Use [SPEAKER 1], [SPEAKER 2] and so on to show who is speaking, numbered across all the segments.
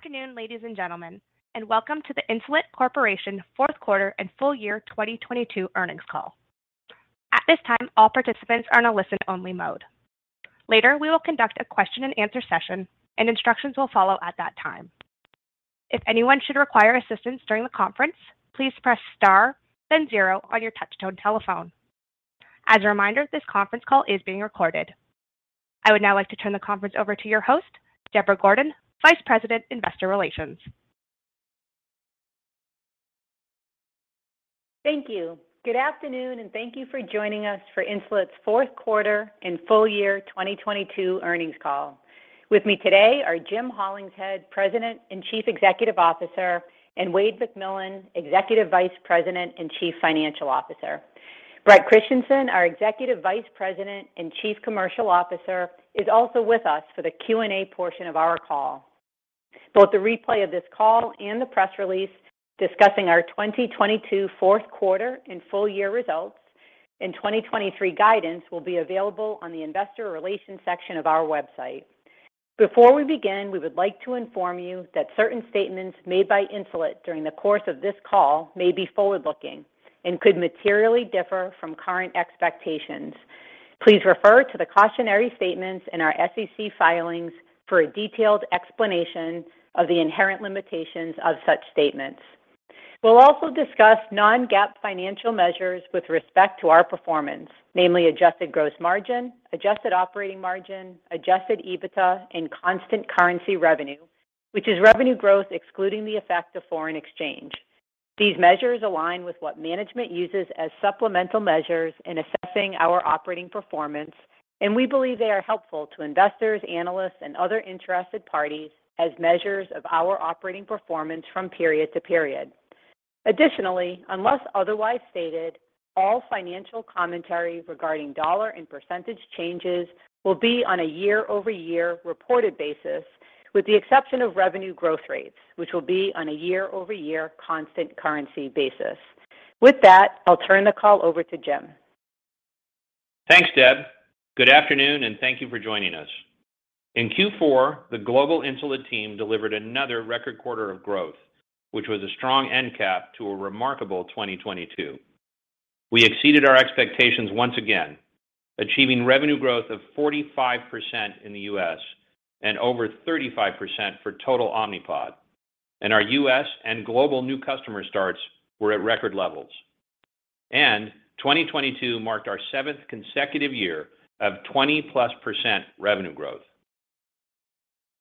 [SPEAKER 1] Good afternoon, ladies and gentlemen, welcome to the Insulet Corporation fourth quarter and full year 2022 earnings call. At this time, all participants are in a listen only mode. Later, we will conduct a question and answer session, and instructions will follow at that time. If anyone should require assistance during the conference, please press star then zero on your touch tone telephone. As a reminder, this conference call is being recorded. I would now like to turn the conference over to your host, Deborah Gordon, Vice President, Investor Relations.
[SPEAKER 2] Thank you. Good afternoon, and thank you for joining us for Insulet's fourth quarter and full year 2022 earnings call. With me today are Jim Hollingshead, President and Chief Executive Officer, and Wayde McMillan, Executive Vice President and Chief Financial Officer. Bret Christensen, our Executive Vice President and Chief Commercial Officer, is also with us for the Q&A portion of our call. Both the replay of this call and the press release discussing our 2022 fourth quarter and full year results and 2023 guidance will be available on the investor relations section of our website. Before we begin, we would like to inform you that certain statements made by Insulet during the course of this call may be forward-looking and could materially differ from current expectations. Please refer to the cautionary statements in our SEC filings for a detailed explanation of the inherent limitations of such statements. We'll also discuss non-GAAP financial measures with respect to our performance, namely adjusted gross margin, adjusted operating margin, Adjusted EBITDA, and constant currency revenue, which is revenue growth excluding the effect of foreign exchange. These measures align with what management uses as supplemental measures in assessing our operating performance. We believe they are helpful to investors, analysts, and other interested parties as measures of our operating performance from period to period. Additionally, unless otherwise stated, all financial commentary regarding dollar and percentage changes will be on a year-over-year reported basis, with the exception of revenue growth rates, which will be on a year-over-year constant currency basis. With that, I'll turn the call over to Jim.
[SPEAKER 3] Thanks, Deb. Good afternoon, and thank you for joining us. In Q4, the global Insulet team delivered another record quarter of growth, which was a strong end cap to a remarkable 2022. We exceeded our expectations once again, achieving revenue growth of 45% in the U.S. and over 35% for total Omnipod. Our U.S. and global new customer starts were at record levels. 2022 marked our seventh consecutive year of 20%+ revenue growth.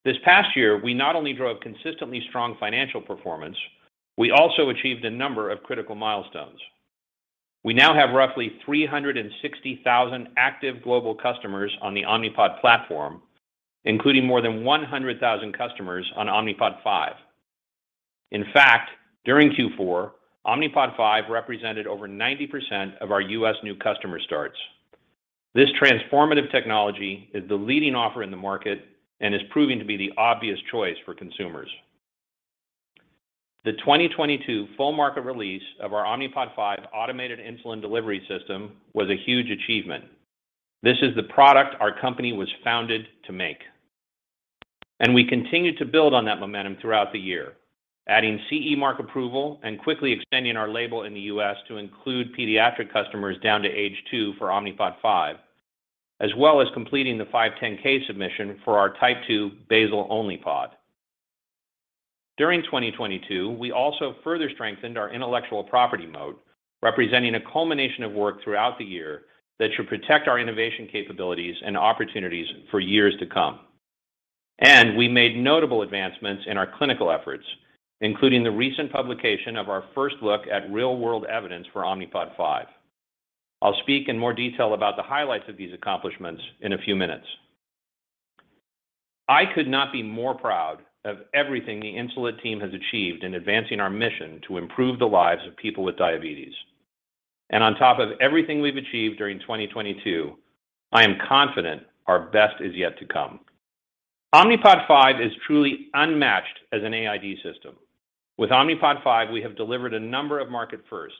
[SPEAKER 3] This past year, we not only drove consistently strong financial performance, we also achieved a number of critical milestones. We now have roughly 360,000 active global customers on the Omnipod platform, including more than 100,000 customers on Omnipod 5. In fact, during Q4, Omnipod 5 represented over 90% of our U.S. new customer starts. This transformative technology is the leading offer in the market and is proving to be the obvious choice for consumers. The 2022 full market release of our Omnipod 5 automated insulin delivery system was a huge achievement. This is the product our company was founded to make. We continued to build on that momentum throughout the year, adding CE mark approval and quickly extending our label in the U.S. to include pediatric customers down to age two for Omnipod 5, as well as completing the 510(k) submission for our type 2 basal only Pod. During 2022, we also further strengthened our intellectual property moat, representing a culmination of work throughout the year that should protect our innovation capabilities and opportunities for years to come. We made notable advancements in our clinical efforts, including the recent publication of our first look at real-world evidence for Omnipod 5. I'll speak in more detail about the highlights of these accomplishments in a few minutes. I could not be more proud of everything the Insulet team has achieved in advancing our mission to improve the lives of people with diabetes. On top of everything we've achieved during 2022, I am confident our best is yet to come. Omnipod 5 is truly unmatched as an AID system. With Omnipod 5, we have delivered a number of market firsts.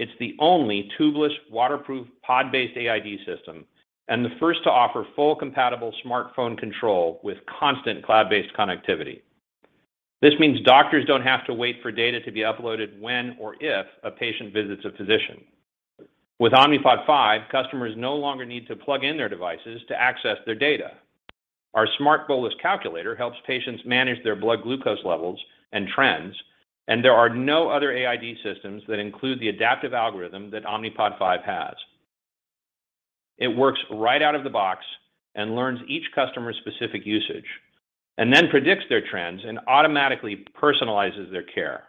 [SPEAKER 3] It's the only tubeless, waterproof, Pod-based AID system and the first to offer full compatible smartphone control with constant cloud-based connectivity. This means doctors don't have to wait for data to be uploaded when or if a patient visits a physician. With Omnipod 5, customers no longer need to plug in their devices to access their data. Our smart bolus calculator helps patients manage their blood glucose levels and trends, and there are no other AID systems that include the adaptive algorithm that Omnipod 5 has. It works right out of the box and learns each customer's specific usage, and then predicts their trends and automatically personalizes their care.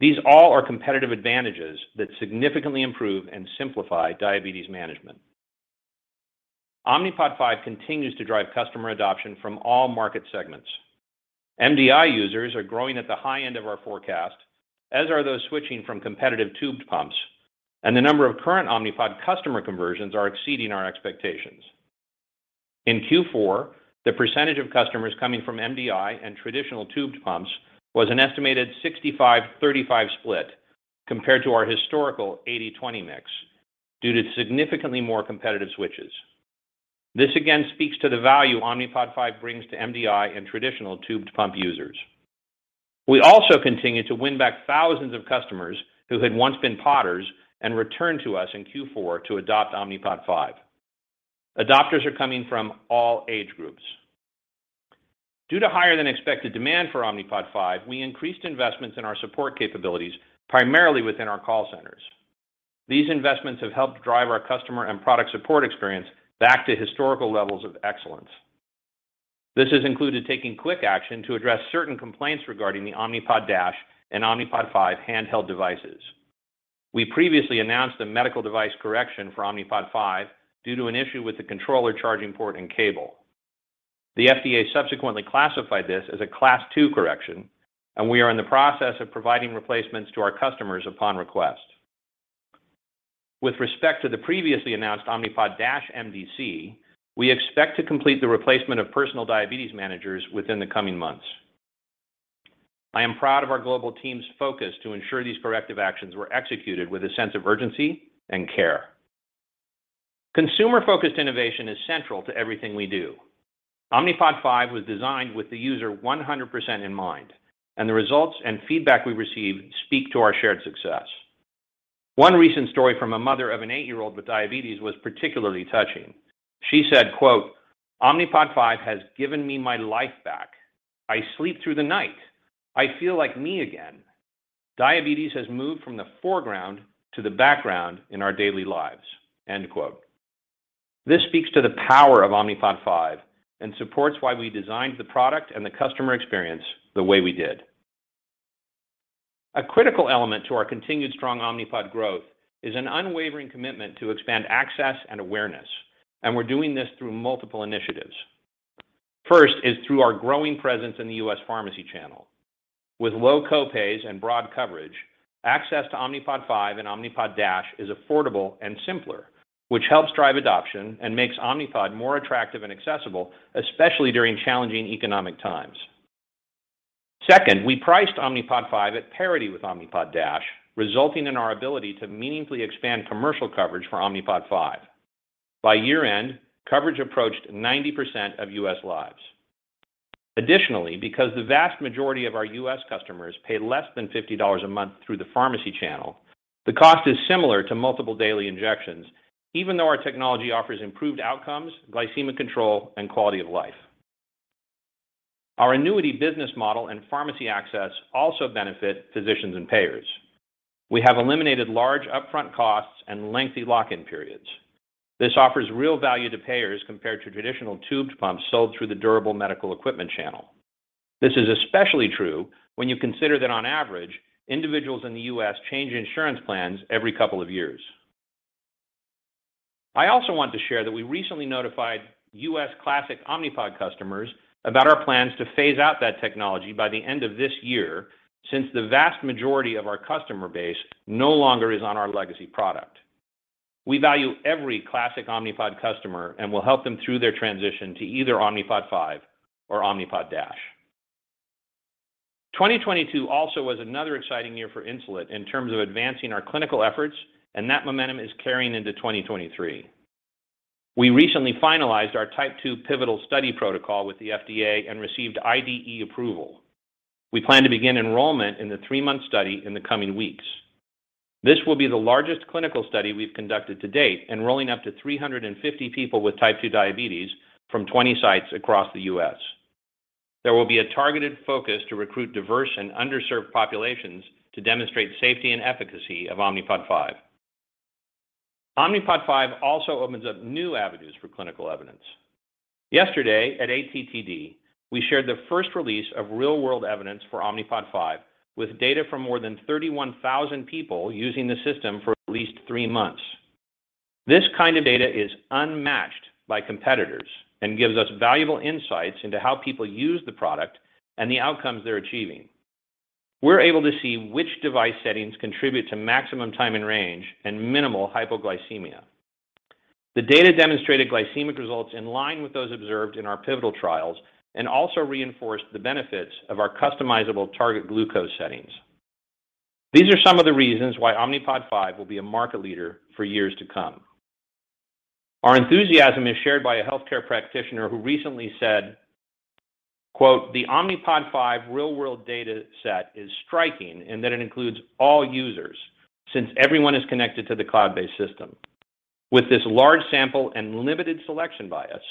[SPEAKER 3] These all are competitive advantages that significantly improve and simplify diabetes management. Omnipod 5 continues to drive customer adoption from all market segments. MDI users are growing at the high end of our forecast, as are those switching from competitive tubed pumps, and the number of current Omnipod customer conversions are exceeding our expectations. In Q4, the percentage of customers coming from MDI and traditional tubed pumps was an estimated 65/35 split compared to our historical 80/20 mix due to significantly more competitive switches. This again speaks to the value Omnipod 5 brings to MDI and traditional tubed pump users. We also continue to win back thousands of customers who had once been podders and returned to us in Q4 to adopt Omnipod 5. Adopters are coming from all age groups. Due to higher than expected demand for Omnipod 5, we increased investments in our support capabilities, primarily within our call centers. These investments have helped drive our customer and product support experience back to historical levels of excellence. This has included taking quick action to address certain complaints regarding the Omnipod DASH and Omnipod 5 handheld devices. We previously announced a medical device correction for Omnipod 5 due to an issue with the controller charging port and cable. The FDA subsequently classified this as a class two correction, and we are in the process of providing replacements to our customers upon request. With respect to the previously announced Omnipod DASH MDC, we expect to complete the replacement of personal diabetes managers within the coming months. I am proud of our global team's focus to ensure these corrective actions were executed with a sense of urgency and care. Consumer-focused innovation is central to everything we do. Omnipod 5 was designed with the user 100% in mind, and the results and feedback we received speak to our shared success. One recent story from a mother of an eight-year-old with diabetes was particularly touching. She said, quote, "Omnipod 5 has given me my life back. I sleep through the night. I feel like me again. Diabetes has moved from the foreground to the background in our daily lives." End quote. This speaks to the power of Omnipod 5 and supports why we designed the product and the customer experience the way we did. A critical element to our continued strong Omnipod growth is an unwavering commitment to expand access and awareness. We're doing this through multiple initiatives. First is through our growing presence in the U.S. pharmacy channel. With low co-pays and broad coverage, access to Omnipod 5 and Omnipod DASH is affordable and simpler, which helps drive adoption and makes Omnipod more attractive and accessible, especially during challenging economic times. Second, we priced Omnipod 5 at parity with Omnipod DASH, resulting in our ability to meaningfully expand commercial coverage for Omnipod 5. By year-end, coverage approached 90% of U.S. lives. Additionally, because the vast majority of our U.S. customers pay less than $50 a month through the pharmacy channel, the cost is similar to multiple daily injections, even though our technology offers improved outcomes, glycemic control, and quality of life. Our annuity business model and pharmacy access also benefit physicians and payers. We have eliminated large upfront costs and lengthy lock-in periods. This offers real value to payers compared to traditional tubed pumps sold through the durable medical equipment channel. This is especially true when you consider that on average, individuals in the U.S. change insurance plans every couple of years. I also want to share that we recently notified U.S. Omnipod Classic customers about our plans to phase out that technology by the end of this year, since the vast majority of our customer base no longer is on our legacy product. We value every Omnipod Classic customer and will help them through their transition to either Omnipod 5 or Omnipod DASH. 2022 also was another exciting year for Insulet in terms of advancing our clinical efforts, and that momentum is carrying into 2023. We recently finalized our type 2 pivotal study protocol with the FDA and received IDE approval. We plan to begin enrollment in the three-month study in the coming weeks. This will be the largest clinical study we've conducted to date, enrolling up to 350 people with type 2 diabetes from 20 sites across the U.S. There will be a targeted focus to recruit diverse and underserved populations to demonstrate safety and efficacy of Omnipod 5. Omnipod 5 also opens up new avenues for clinical evidence. Yesterday at ATTD, we shared the first release of real-world evidence for Omnipod 5 with data from more than 31,000 people using the system for at least three months. This kind of data is unmatched by competitors and gives us valuable insights into how people use the product and the outcomes they're achieving. We're able to see which device settings contribute to maximum time in range and minimal hypoglycemia. The data demonstrated glycemic results in line with those observed in our pivotal trials and also reinforced the benefits of our customizable target glucose settings. These are some of the reasons why Omnipod 5 will be a market leader for years to come. Our enthusiasm is shared by a healthcare practitioner who recently said, quote, "The Omnipod 5 real-world data set is striking in that it includes all users since everyone is connected to the cloud-based system. With this large sample and limited selection bias,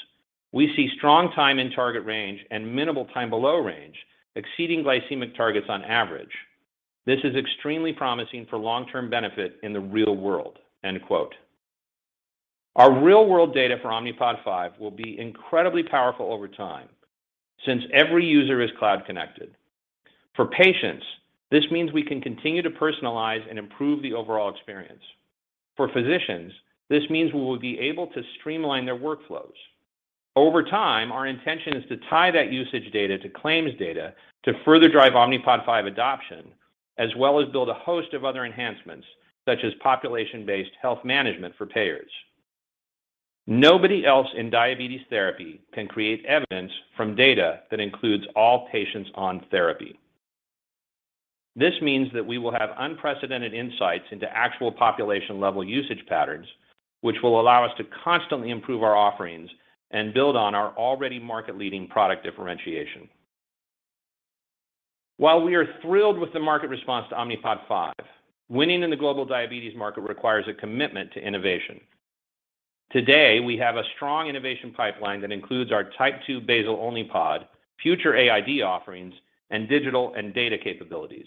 [SPEAKER 3] we see strong time in target range and minimal time below range exceeding glycemic targets on average. This is extremely promising for long-term benefit in the real world." End quote. Our real-world data for Omnipod 5 will be incredibly powerful over time since every user is cloud-connected. For patients, this means we can continue to personalize and improve the overall experience. For physicians, this means we will be able to streamline their workflows. Over time, our intention is to tie that usage data to claims data to further drive Omnipod 5 adoption, as well as build a host of other enhancements, such as population-based health management for payers. Nobody else in diabetes therapy can create evidence from data that includes all patients on therapy. This means that we will have unprecedented insights into actual population level usage patterns, which will allow us to constantly improve our offerings and build on our already market-leading product differentiation. While we are thrilled with the market response to Omnipod 5, winning in the global diabetes market requires a commitment to innovation. Today, we have a strong innovation pipeline that includes our type 2 basal-only Pod, future AID offerings, and digital and data capabilities.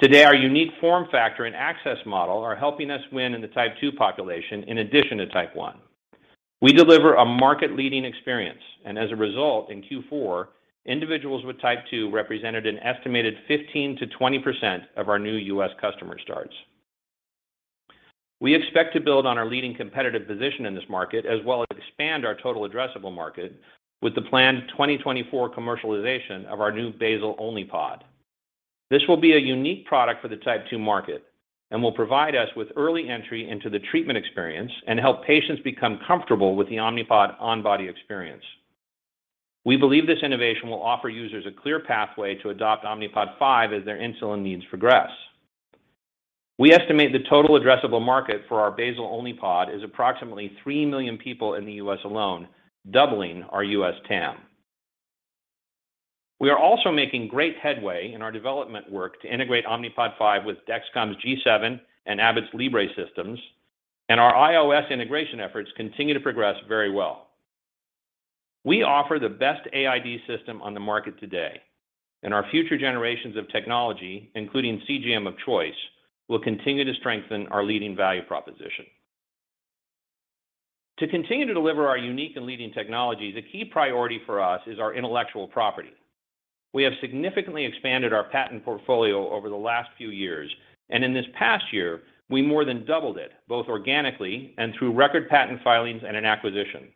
[SPEAKER 3] Today, our unique form factor and access model are helping us win in the type 2 population in addition to type 1. We deliver a market-leading experience, and as a result, in Q4, individuals with type 2 represented an estimated 15%-20% of our new U.S. customer starts. We expect to build on our leading competitive position in this market, as well as expand our total addressable market with the planned 2024 commercialization of our new basal-only Pod. This will be a unique product for the type 2 market and will provide us with early entry into the treatment experience and help patients become comfortable with the Omnipod on body experience. We believe this innovation will offer users a clear pathway to adopt Omnipod 5 as their insulin needs progress. We estimate the total addressable market for our basal-only Pod is approximately 3 million people in the U.S. alone, doubling our U.S. TAM. We are also making great headway in our development work to integrate Omnipod 5 with Dexcom's G7 and Abbott's Libre systems, and our iOS integration efforts continue to progress very well. We offer the best AID system on the market today, and our future generations of technology, including CGM of choice, will continue to strengthen our leading value proposition. To continue to deliver our unique and leading technology, the key priority for us is our intellectual property. We have significantly expanded our patent portfolio over the last few years, and in this past year, we more than doubled it, both organically and through record patent filings and an acquisition.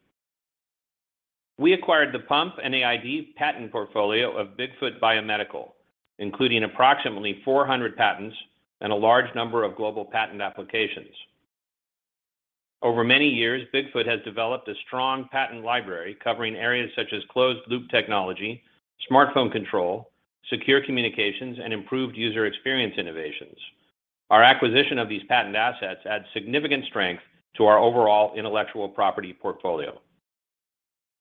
[SPEAKER 3] We acquired the pump and AID patent portfolio of Bigfoot Biomedical, including approximately 400 patents and a large number of global patent applications. Over many years, Bigfoot has developed a strong patent library covering areas such as closed loop technology, smartphone control, secure communications, and improved user experience innovations. Our acquisition of these patent assets adds significant strength to our overall intellectual property portfolio.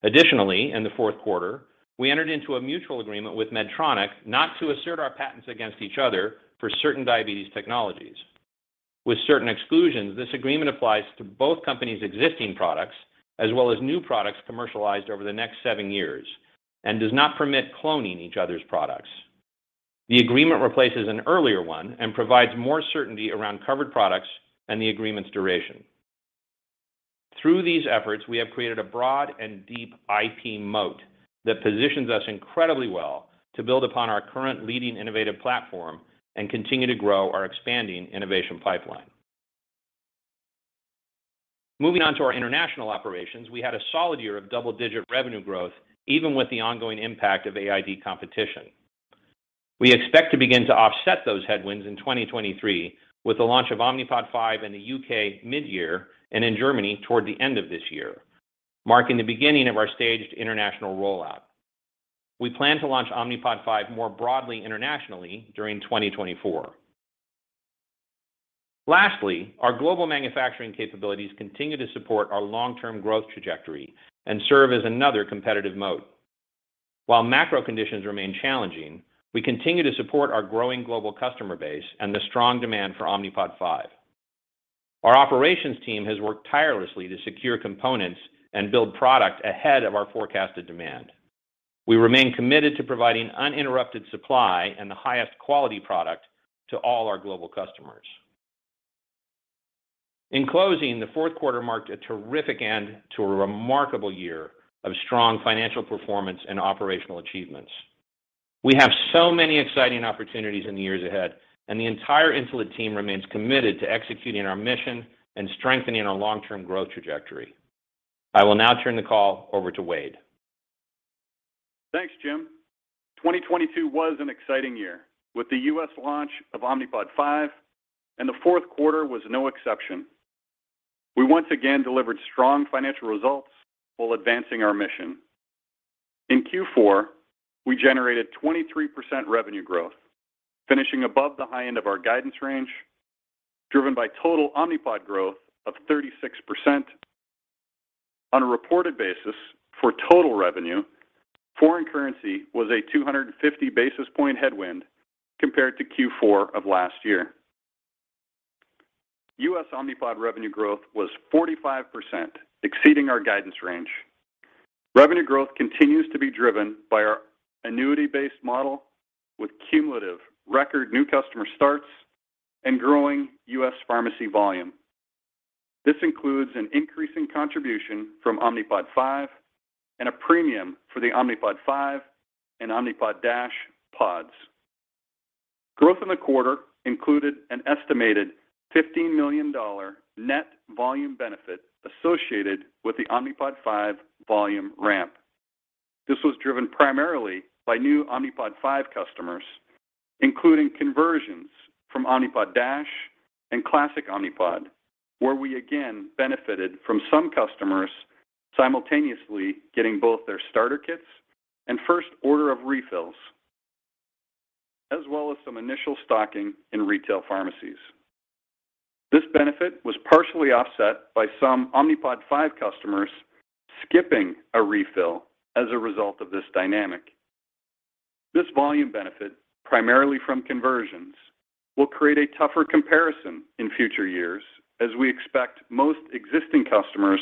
[SPEAKER 3] Additionally, in the fourth quarter, we entered into a mutual agreement with Medtronic not to assert our patents against each other for certain diabetes technologies. With certain exclusions, this agreement applies to both companies' existing products, as well as new products commercialized over the next seven years, and does not permit cloning each other's products. The agreement replaces an earlier one and provides more certainty around covered products and the agreement's duration. Through these efforts, we have created a broad and deep IP moat that positions us incredibly well to build upon our current leading innovative platform and continue to grow our expanding innovation pipeline. Moving on to our international operations, we had a solid year of double-digit revenue growth, even with the ongoing impact of AID competition. We expect to begin to offset those headwinds in 2023 with the launch of Omnipod 5 in the U.K. mid-year and in Germany toward the end of this year, marking the beginning of our staged international rollout. We plan to launch Omnipod 5 more broadly internationally during 2024. Lastly, our global manufacturing capabilities continue to support our long-term growth trajectory and serve as another competitive moat. While macro conditions remain challenging, we continue to support our growing global customer base and the strong demand for Omnipod 5. Our operations team has worked tirelessly to secure components and build product ahead of our forecasted demand. We remain committed to providing uninterrupted supply and the highest quality product to all our global customers. In closing, the fourth quarter marked a terrific end to a remarkable year of strong financial performance and operational achievements. We have so many exciting opportunities in the years ahead, and the entire Insulet team remains committed to executing our mission and strengthening our long-term growth trajectory. I will now turn the call over to Wayde.
[SPEAKER 4] Thanks, Jim. 2022 was an exciting year with the U.S. launch of Omnipod 5. The fourth quarter was no exception. We once again delivered strong financial results while advancing our mission. In Q4, we generated 23% revenue growth, finishing above the high end of our guidance range, driven by total Omnipod growth of 36%. On a reported basis for total revenue, foreign currency was a 250 basis point headwind compared to Q4 of last year. U.S. Omnipod revenue growth was 45%, exceeding our guidance range. Revenue growth continues to be driven by our annuity-based model with cumulative record new customer starts and growing U.S. pharmacy volume. This includes an increasing contribution from Omnipod 5 and a premium for the Omnipod 5 and Omnipod DASH pods. Growth in the quarter included an estimated $15 million net volume benefit associated with the Omnipod 5 volume ramp. This was driven primarily by new Omnipod 5 customers, including conversions from Omnipod DASH and Omnipod Classic, where we again benefited from some customers simultaneously getting both their starter kits and first order of refills, as well as some initial stocking in retail pharmacies. This benefit was partially offset by some Omnipod 5 customers skipping a refill as a result of this dynamic. This volume benefit, primarily from conversions, will create a tougher comparison in future years as we expect most existing customers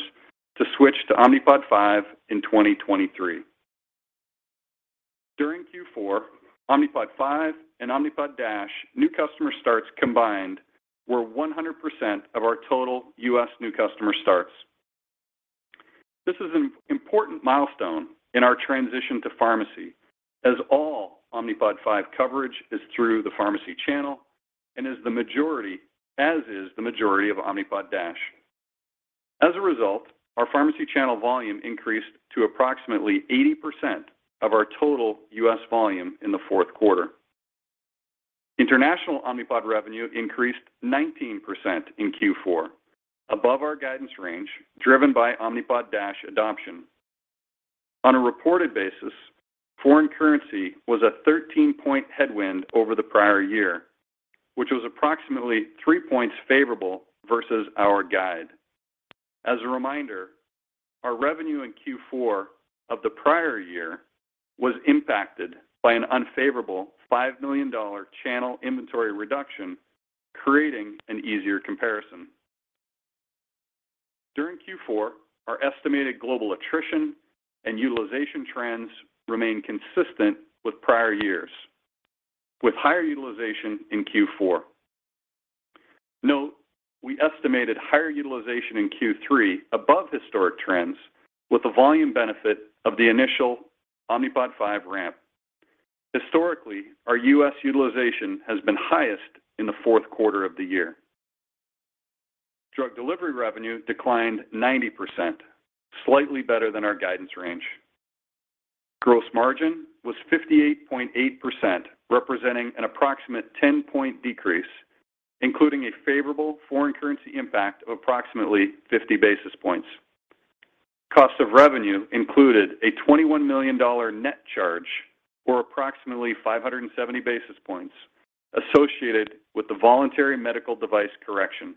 [SPEAKER 4] to switch to Omnipod 5 in 2023. During Q4, Omnipod 5 and Omnipod DASH new customer starts combined were 100% of our total U.S. new customer starts. This is an important milestone in our transition to pharmacy as all Omnipod 5 coverage is through the pharmacy channel as is the majority of Omnipod DASH. As a result, our pharmacy channel volume increased to approximately 80% of our total U.S. volume in the fourth quarter. International Omnipod revenue increased 19% in Q4 above our guidance range, driven by Omnipod DASH adoption. On a reported basis, foreign currency was a 13-point headwind over the prior year, which was approximately 3 points favorable versus our guide. As a reminder, our revenue in Q4 of the prior year was impacted by an unfavorable $5 million channel inventory reduction, creating an easier comparison. During Q4, our estimated global attrition and utilization trends remain consistent with prior years, with higher utilization in Q4. Note, we estimated higher utilization in Q3 above historic trends with the volume benefit of the initial Omnipod 5 ramp. Historically, our U.S. utilization has been highest in the fourth quarter of the year. Drug delivery revenue declined 90%, slightly better than our guidance range. Gross margin was 58.8%, representing an approximate 10-point decrease, including a favorable foreign currency impact of approximately 50 basis points. Cost of revenue included a $21 million net charge, or approximately 570 basis points, associated with the voluntary medical device correction.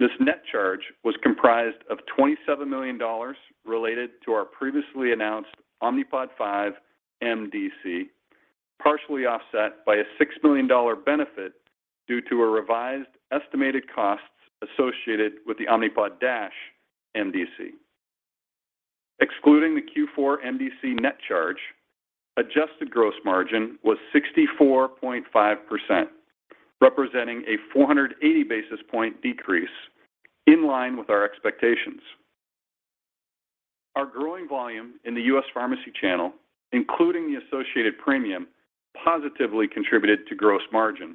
[SPEAKER 4] This net charge was comprised of $27 million related to our previously announced Omnipod 5 MDC, partially offset by a $6 million benefit due to a revised estimated costs associated with the Omnipod DASH MDC. Excluding the Q4 MDC net charge, adjusted gross margin was 64.5%, representing a 480 basis point decrease in line with our expectations. Our growing volume in the U.S. pharmacy channel, including the associated premium, positively contributed to gross margin.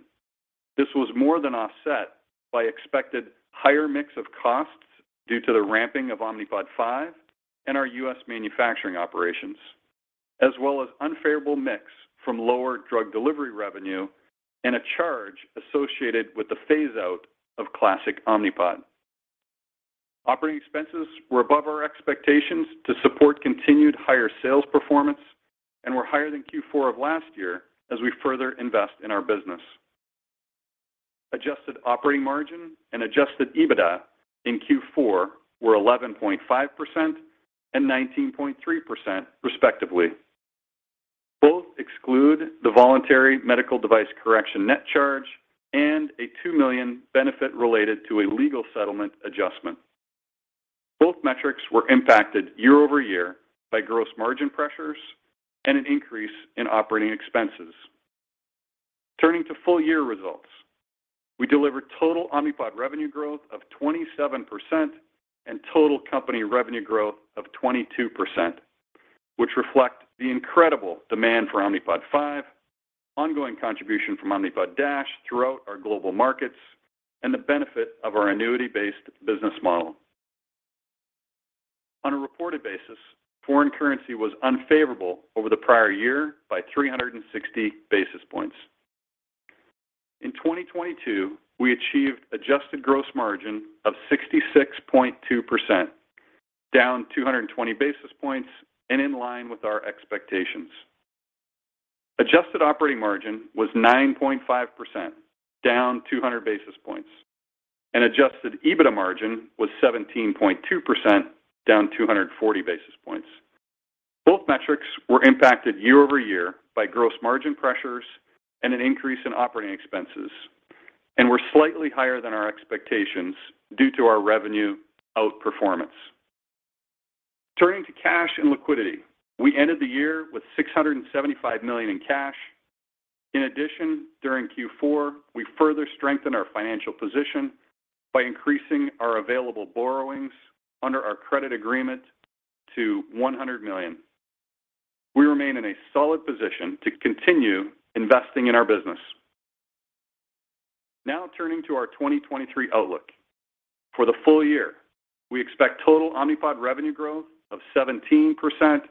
[SPEAKER 4] This was more than offset by expected higher mix of costs due to the ramping of Omnipod 5 and our U.S. manufacturing operations, as well as unfavorable mix from lower drug delivery revenue and a charge associated with the phase out of Omnipod Classic. Operating expenses were above our expectations to support continued higher sales performance and were higher than Q4 of last year as we further invest in our business. Adjusted operating margin and Adjusted EBITDA in Q4 were 11.5% and 19.3% respectively. Both exclude the voluntary medical device correction net charge and a $2 million benefit related to a legal settlement adjustment. Both metrics were impacted year-over-year by gross margin pressures and an increase in operating expenses. Turning to full year results. We delivered total Omnipod revenue growth of 27% and total company revenue growth of 22%, which reflect the incredible demand for Omnipod 5, ongoing contribution from Omnipod DASH throughout our global markets, and the benefit of our annuity-based business model. On a reported basis, foreign currency was unfavorable over the prior year by 360 basis points. In 2022, we achieved adjusted gross margin of 66.2%, down 220 basis points and in line with our expectations. Adjusted operating margin was 9.5%, down 200 basis points, and Adjusted EBITDA margin was 17.2%, down 240 basis points. Both metrics were impacted year-over-year by gross margin pressures and an increase in operating expenses and were slightly higher than our expectations due to our revenue outperformance. Turning to cash and liquidity. We ended the year with $675 million in cash. In addition, during Q4, we further strengthened our financial position by increasing our available borrowings under our credit agreement to $100 million. We remain in a solid position to continue investing in our business. Now, turning to our 2023 outlook. For the full year, we expect total Omnipod revenue growth of 17%-22%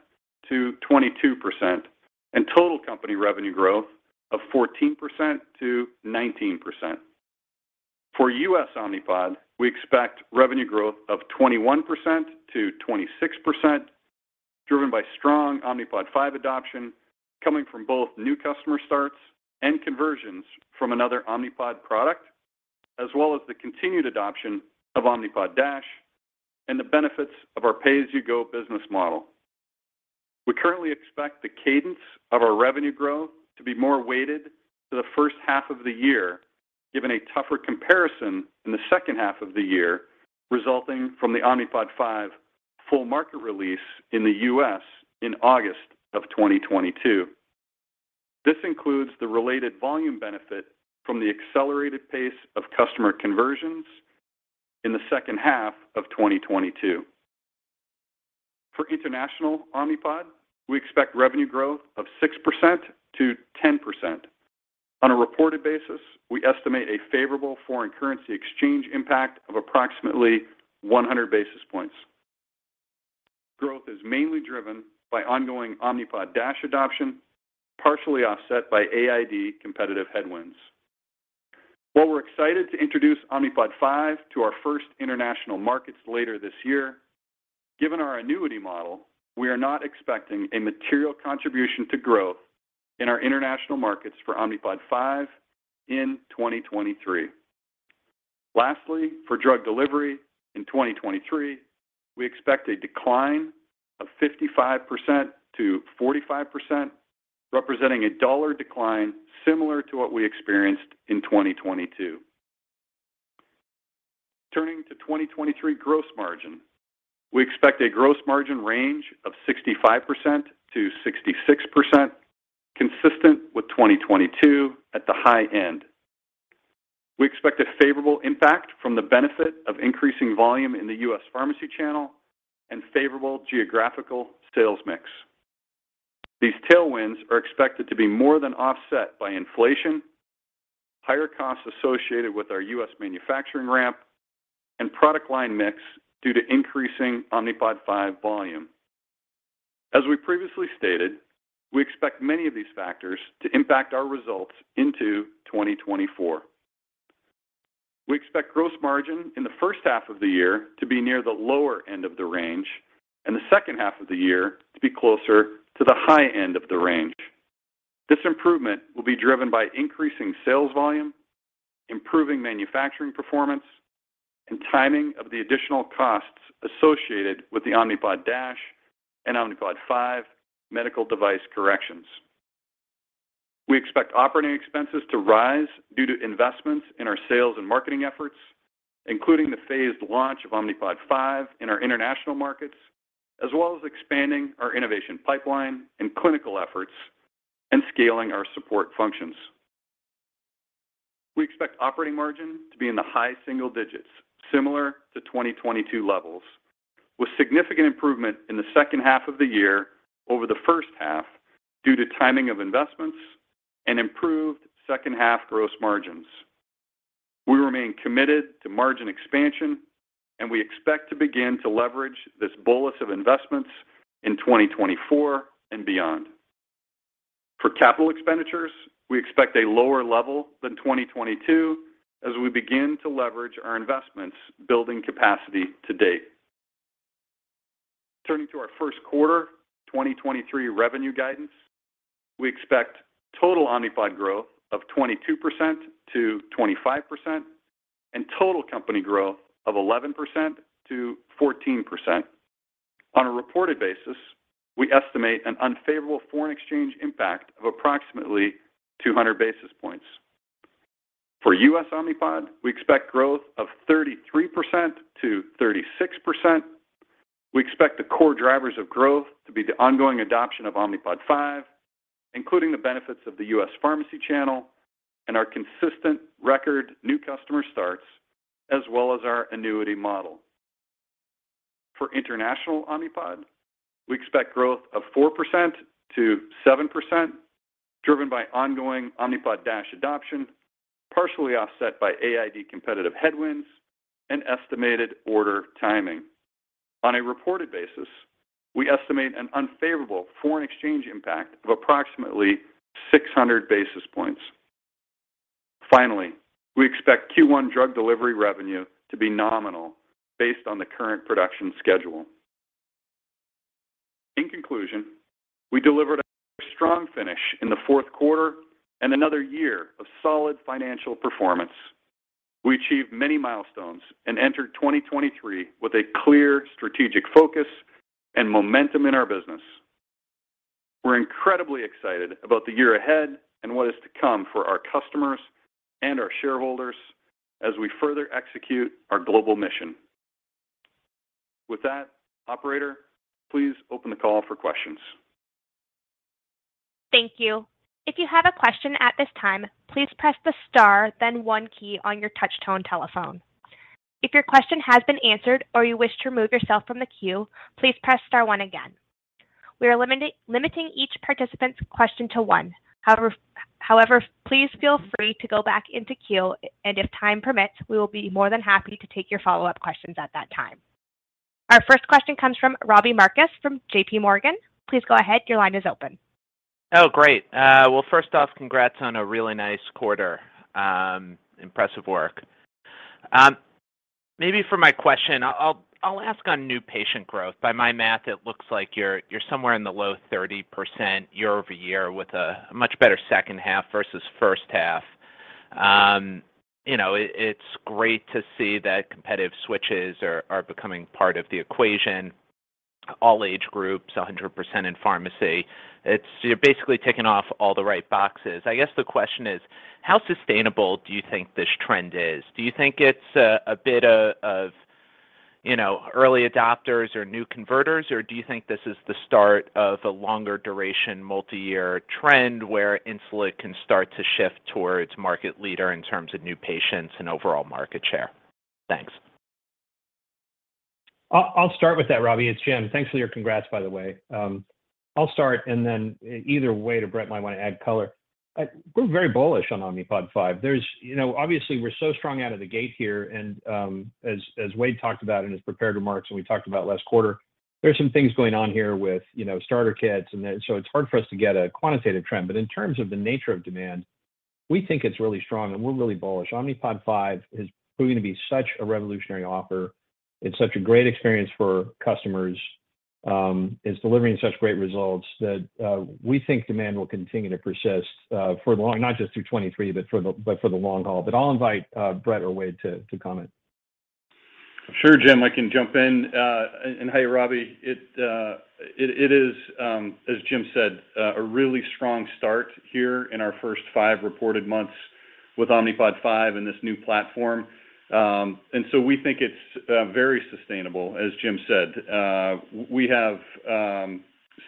[SPEAKER 4] and total company revenue growth of 14%-19%. For U.S. Omnipod, we expect revenue growth of 21%-26%, driven by strong Omnipod 5 adoption coming from both new customer starts and conversions from another Omnipod product, as well as the continued adoption of Omnipod DASH and the benefits of our pay-as-you-go business model. We currently expect the cadence of our revenue growth to be more weighted to the first half of the year, given a tougher comparison in the second half of the year, resulting from the Omnipod 5 full market release in the U.S. in August 2022. This includes the related volume benefit from the accelerated pace of customer conversions in the second half of 2022. For international Omnipod, we expect revenue growth of 6%-10%. On a reported basis, we estimate a favorable foreign currency exchange impact of approximately 100 basis points. Growth is mainly driven by ongoing Omnipod DASH adoption, partially offset by AID competitive headwinds. While we're excited to introduce Omnipod 5 to our first international markets later this year, given our annuity model, we are not expecting a material contribution to growth in our international markets for Omnipod 5 in 2023. Lastly, for drug delivery in 2023, we expect a decline of 55%-45%, representing a dollar decline similar to what we experienced in 2022. Turning to 2023 gross margin. We expect a gross margin range of 65%-66%, consistent with 2022 at the high end. We expect a favorable impact from the benefit of increasing volume in the U.S. pharmacy channel and favorable geographical sales mix. These tailwinds are expected to be more than offset by inflation, higher costs associated with our U.S. manufacturing ramp, and product line mix due to increasing Omnipod 5 volume. As we previously stated, we expect many of these factors to impact our results into 2024. We expect gross margin in the first half of the year to be near the lower end of the range, and the second half of the year to be closer to the high end of the range. This improvement will be driven by increasing sales volume, improving manufacturing performance, and timing of the additional costs associated with the Omnipod DASH and Omnipod 5 medical device corrections. We expect operating expenses to rise due to investments in our sales and marketing efforts, including the phased launch of Omnipod 5 in our international markets, as well as expanding our innovation pipeline and clinical efforts and scaling our support functions. We expect operating margin to be in the high single digits, similar to 2022 levels, with significant improvement in the second half of the year over the first half due to timing of investments and improved second half gross margins. We remain committed to margin expansion. We expect to begin to leverage this bolus of investments in 2024 and beyond. For capital expenditures, we expect a lower level than 2022 as we begin to leverage our investments building capacity to date. Turning to our first quarter 2023 revenue guidance, we expect total Omnipod growth of 22%-25% and total company growth of 11%-14%. On a reported basis, we estimate an unfavorable foreign exchange impact of approximately 200 basis points. For U.S. Omnipod, we expect growth of 33%-36%. We expect the core drivers of growth to be the ongoing adoption of Omnipod 5, including the benefits of the U.S. pharmacy channel and our consistent record new customer starts, as well as our annuity model. For international Omnipod, we expect growth of 4%-7%, driven by ongoing Omnipod DASH adoption, partially offset by AID competitive headwinds and estimated order timing. On a reported basis, we estimate an unfavorable foreign exchange impact of approximately 600 basis points. Finally, we expect Q1 drug delivery revenue to be nominal based on the current production schedule. In conclusion, we delivered a strong finish in the fourth quarter and another year of solid financial performance. We achieved many milestones and entered 2023 with a clear strategic focus and momentum in our business. We're incredibly excited about the year ahead and what is to come for our customers and our shareholders as we further execute our global mission. With that, operator, please open the call for questions.
[SPEAKER 1] Thank you. If you have a question at this time, please press the star then one key on your touch-tone telephone. If your question has been answered or you wish to remove yourself from the queue, please press star one again. We are limiting each participant's question to one. However, please feel free to go back into queue, and if time permits, we will be more than happy to take your follow-up questions at that time. Our first question comes from Robbie Marcus from JPMorgan. Please go ahead. Your line is open.
[SPEAKER 5] Great. Well, first off, congrats on a really nice quarter. Impressive work. Maybe for my question I'll ask on new patient growth. By my math, it looks like you're somewhere in the low 30% year-over-year with a much better second half versus first half. You know, it's great to see that competitive switches are becoming part of the equation. All age groups, 100% in pharmacy. You're basically ticking off all the right boxes. I guess the question is: how sustainable do you think this trend is? Do you think it's a bit of, you know, early adopters or new converters, or do you think this is the start of a longer duration multi-year trend where Insulet can start to shift towards market leader in terms of new patients and overall market share? Thanks.
[SPEAKER 3] I'll start with that, Robbie. It's Jim. Thanks for your congrats, by the way. I'll start and then either Wayde or Bret might wanna add color. We're very bullish on Omnipod 5. You know, obviously we're so strong out of the gate here and, as Wayde talked about in his prepared remarks and we talked about last quarter, there are some things going on here with, you know, starter kits. It's hard for us to get a quantitative trend. In terms of the nature of demand, we think it's really strong and we're really bullish. Omnipod 5 is going to be such a revolutionary offer. It's such a great experience for customers, it's delivering such great results that we think demand will continue to persist, not just through 2023, but for the long haul. I'll invite, Bret or Wayde to comment.
[SPEAKER 4] Sure, Jim, I can jump in. Hi, Robbie. It is as Jim said, a really strong start here in our first 5 reported months with Omnipod 5 and this new platform. We think it's very sustainable, as Jim said. We have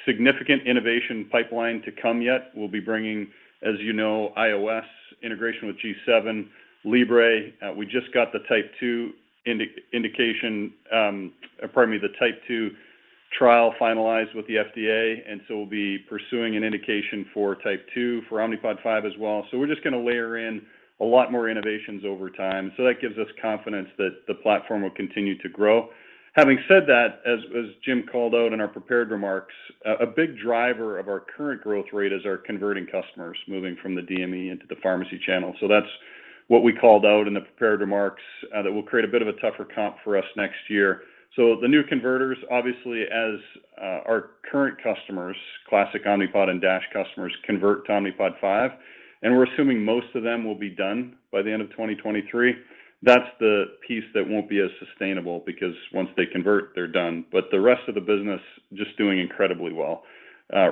[SPEAKER 4] significant innovation pipeline to come yet. We'll be bringing, as you know, iOS integration with G7 Libre. We just got the type 2 trial finalized with the FDA, We'll be pursuing an indication for type 2 for Omnipod 5 as well. We're just gonna layer in a lot more innovations over time. That gives us confidence that the platform will continue to grow. Having said that, as Jim called out in our prepared remarks, a big driver of our current growth rate is our converting customers moving from the DME into the pharmacy channel. That's what we called out in the prepared remarks, that will create a bit of a tougher comp for us next year. The new converters, obviously as our current customers, classic Omnipod and DASH customers, convert to Omnipod 5, and we're assuming most of them will be done by the end of 2023. That's the piece that won't be as sustainable because once they convert, they're done. The rest of the business, just doing incredibly well.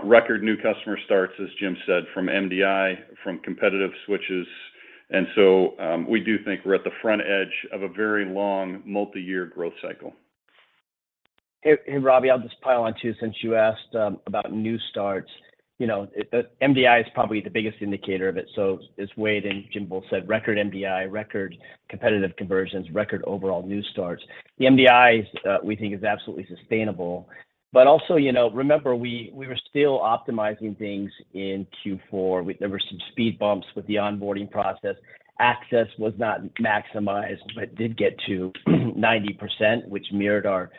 [SPEAKER 4] Record new customer starts, as Jim said, from MDI, from competitive switches. We do think we're at the front edge of a very long multi-year growth cycle.
[SPEAKER 6] Hey, hey, Robbie, I'll just pile on too since you asked, about new starts. You know, MDI is probably the biggest indicator of it. As Wayde and Jim both said, record MDI, record competitive conversions, record overall new starts. The MDIs, we think is absolutely sustainable. Also, you know, remember we were still optimizing things in Q4. There were some speed bumps with the onboarding process. Access was not maximized, but did get to 90%, which mirrored our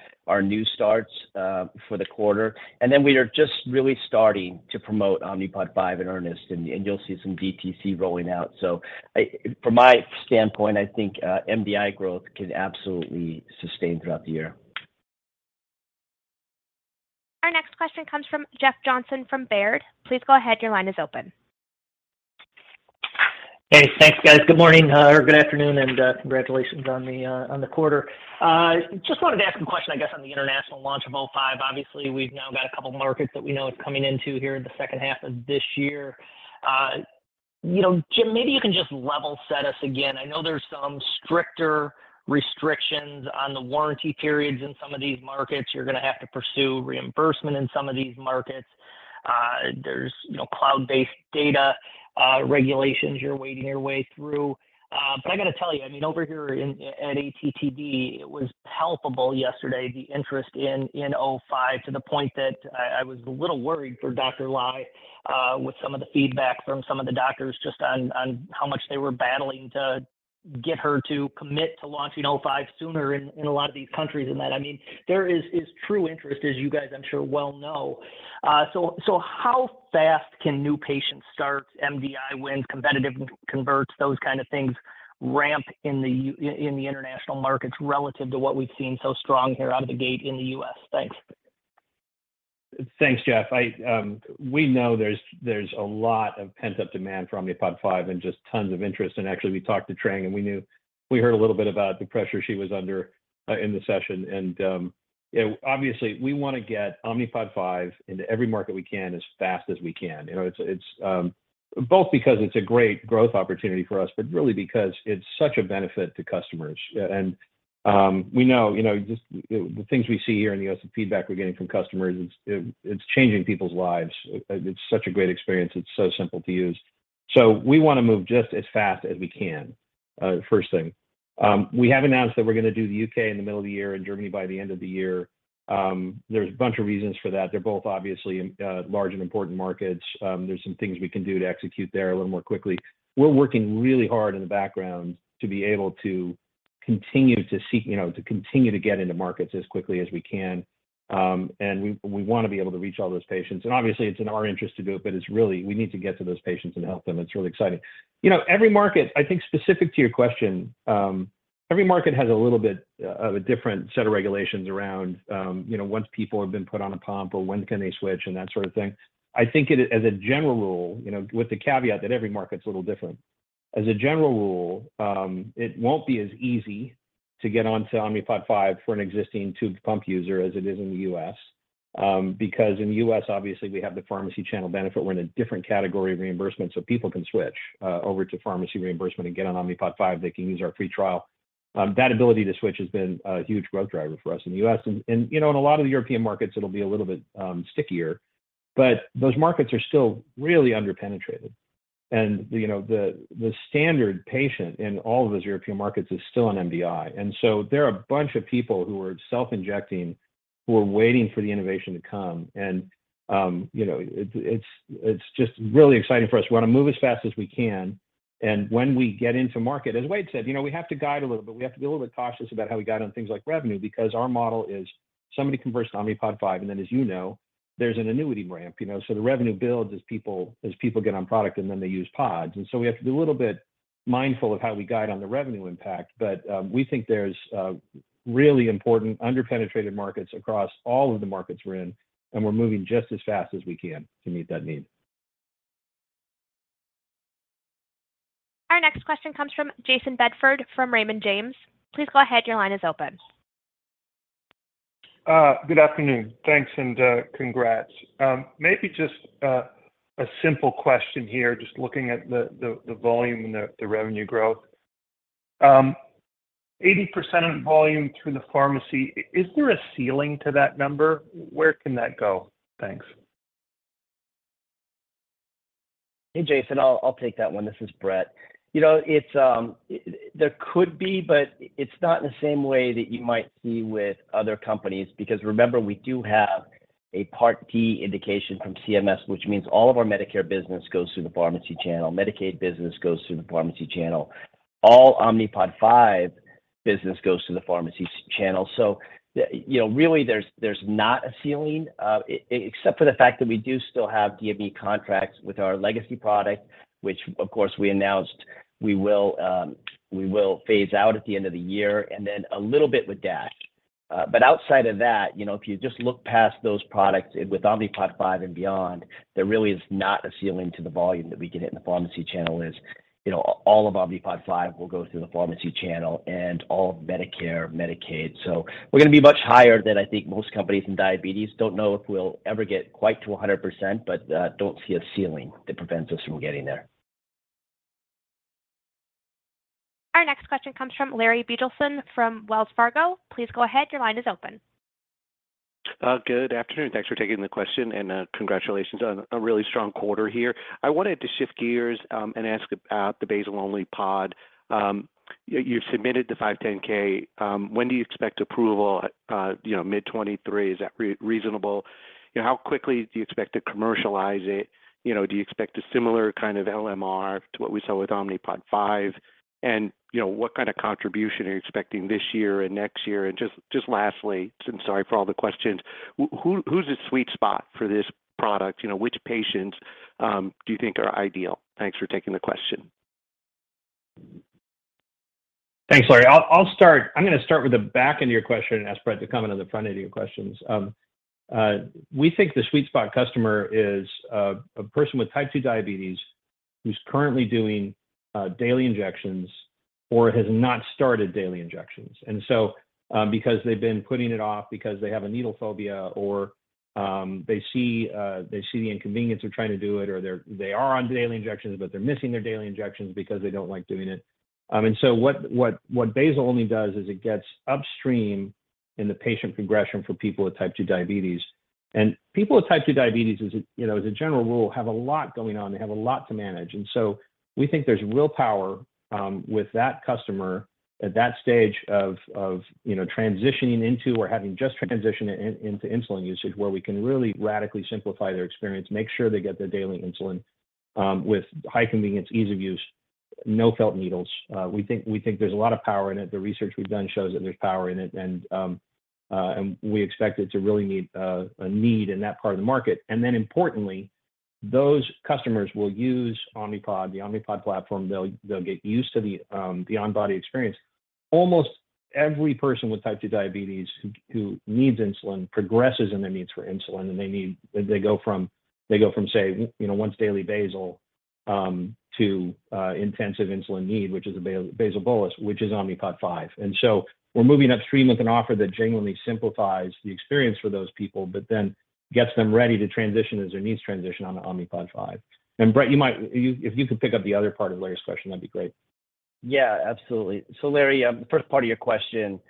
[SPEAKER 6] new starts, for the quarter. We are just really starting to promote Omnipod 5 in earnest, and you'll see some DTC rolling out. From my standpoint, I think, MDI growth can absolutely sustain throughout the year.
[SPEAKER 1] Our next question comes from Jeff Johnson from Baird. Please go ahead. Your line is open.
[SPEAKER 7] Hey, thanks, guys. Good morning, or good afternoon, and congratulations on the quarter. Just wanted to ask a question, I guess, on the international launch of O5. Obviously, we've now got a couple markets that we know it's coming into here in the second half of this year. You know, Jim, maybe you can just level set us again. I know there's some stricter restrictions on the warranty periods in some of these markets. You're gonna have to pursue reimbursement in some of these markets. There's, you know, cloud-based data, regulations you're wading your way through. I gotta tell you, I mean, over here at ATTD, it was palpable yesterday, the interest in O5, to the point that I was a little worried for Dr. Ly, with some of the feedback from some of the doctors just on how much they were battling to get her to commit to launching O5 sooner in a lot of these countries and that. I mean, there is true interest as you guys, I'm sure, well know. So how fast can new patients start MDI wins, competitive converts, those kind of things ramp in the international markets relative to what we've seen so strong here out of the gate in the U.S.? Thanks.
[SPEAKER 3] Thanks, Jeff. We know there's a lot of pent-up demand for Omnipod 5 and just tons of interest. Actually, we talked to Trang, and we heard a little bit about the pressure she was under in the session. You know, obviously, we wanna get Omnipod 5 into every market we can as fast as we can. You know, it's both because it's a great growth opportunity for us, really because it's such a benefit to customers. And, we know, you know, just the things we see here and the feedback we're getting from customers, it's changing people's lives. It's such a great experience. It's so simple to use. We wanna move just as fast as we can, first thing. We have announced that we're gonna do the U.K. in the middle of the year and Germany by the end of the year. There's a bunch of reasons for that. They're both obviously, large and important markets. There's some things we can do to execute there a little more quickly. We're working really hard in the background to be able to continue. You know, to continue to get into markets as quickly as we can. We, we wanna be able to reach all those patients. Obviously it's in our interest to do it, but it's really, we need to get to those patients and help them. It's really exciting. You know, I think specific to your question, every market has a little bit of a different set of regulations around, you know, once people have been put on a pump or when can they switch and that sort of thing. I think as a general rule, you know, with the caveat that every market's a little different, as a general rule, it won't be as easy to get onto Omnipod 5 for an existing tubed pump user as it is in the U.S., because in the U.S. obviously we have the pharmacy channel benefit. We're in a different category of reimbursement, so people can switch over to pharmacy reimbursement and get on Omnipod 5. They can use our free trial. That ability to switch has been a huge growth driver for us in the U.S. You know, in a lot of the European markets it'll be a little bit stickier. Those markets are still really under-penetrated. You know, the standard patient in all of those European markets is still an MDI. There are a bunch of people who are self-injecting, who are waiting for the innovation to come. You know, it's just really exciting for us. We wanna move as fast as we can, and when we get into market, as Wayde said, you know, we have to guide a little bit. We have to be a little bit cautious about how we guide on things like revenue because our model is somebody converts to Omnipod 5, and then as you know, there's an annuity ramp, you know? The revenue builds as people get on product and then they use pods. We have to be a little bit mindful of how we guide on the revenue impact. We think there's really important under-penetrated markets across all of the markets we're in, and we're moving just as fast as we can to meet that need.
[SPEAKER 1] Our next question comes from Jayson Bedford from Raymond James. Please go ahead. Your line is open.
[SPEAKER 8] Good afternoon. Thanks and congrats. Maybe just a simple question here, just looking at the volume and the revenue growth. 80% of volume through the pharmacy, is there a ceiling to that number? Where can that go? Thanks.
[SPEAKER 6] Hey, Jayson. I'll take that one. This is Bret. You know, it's. There could be, but it's not in the same way that you might see with other companies, because remember, we do have a Part D indication from CMS, which means all of our Medicare business goes through the pharmacy channel. Medicaid business goes through the pharmacy channel. All Omnipod 5 business goes through the pharmacy channel. You know, really there's not a ceiling, except for the fact that we do still have DME contracts with our legacy product, which of course we announced we will phase out at the end of the year, and then a little bit with DASH. Outside of that, you know, if you just look past those products with Omnipod 5 and beyond, there really is not a ceiling to the volume that we can hit in the pharmacy channel. You know, all of Omnipod 5 will go through the pharmacy channel and all of Medicare, Medicaid. We're gonna be much higher than I think most companies in diabetes. Don't know if we'll ever get quite to 100%, but don't see a ceiling that prevents us from getting there.
[SPEAKER 1] Our next question comes from Larry Biegelsen from Wells Fargo. Please go ahead. Your line is open.
[SPEAKER 9] Good afternoon. Thanks for taking the question, and congratulations on a really strong quarter here. I wanted to shift gears and ask about the basal-only pod. You've submitted the 510(k). When do you expect approval? You know, mid 2023, is that reasonable? How quickly do you expect to commercialize it? You know, do you expect a similar kind of LMR to what we saw with Omnipod 5? You know, what kind of contribution are you expecting this year and next year? Just lastly, and sorry for all the questions, who's the sweet spot for this product? You know, which patients do you think are ideal? Thanks for taking the question.
[SPEAKER 3] Thanks, Larry. I'll start. I'm gonna start with the back end of your question and ask Bret to comment on the front end of your questions. We think the sweet spot customer is a person with type 2 diabetes who's currently doing daily injections or has not started daily injections. Because they've been putting it off because they have a needle phobia or they see, they see the inconvenience of trying to do it or they are on daily injections, but they're missing their daily injections because they don't like doing it. What basal-only does is it gets upstream in the patient progression for people with type 2 diabetes. People with type 2 diabetes, as a, you know, as a general rule, have a lot going on. They have a lot to manage. We think there's real power with that customer at that stage of, you know, transitioning into or having just transitioned into insulin usage where we can really radically simplify their experience, make sure they get their daily insulin with high convenience, ease of use, no felt needles. We think there's a lot of power in it. The research we've done shows that there's power in it and we expect it to really meet a need in that part of the market. Importantly, those customers will use Omnipod, the Omnipod platform. They'll get used to the on body experience. Almost every person with type 2 diabetes who needs insulin progresses in their needs for insulin, they go from, say, you know, once daily basal to intensive insulin need, which is a basal bolus, which is Omnipod 5. We're moving upstream with an offer that genuinely simplifies the experience for those people, gets them ready to transition as their needs transition onto Omnipod 5. Bret, if you could pick up the other part of Larry's question, that'd be great.
[SPEAKER 6] Yeah, absolutely. Larry, first part of your question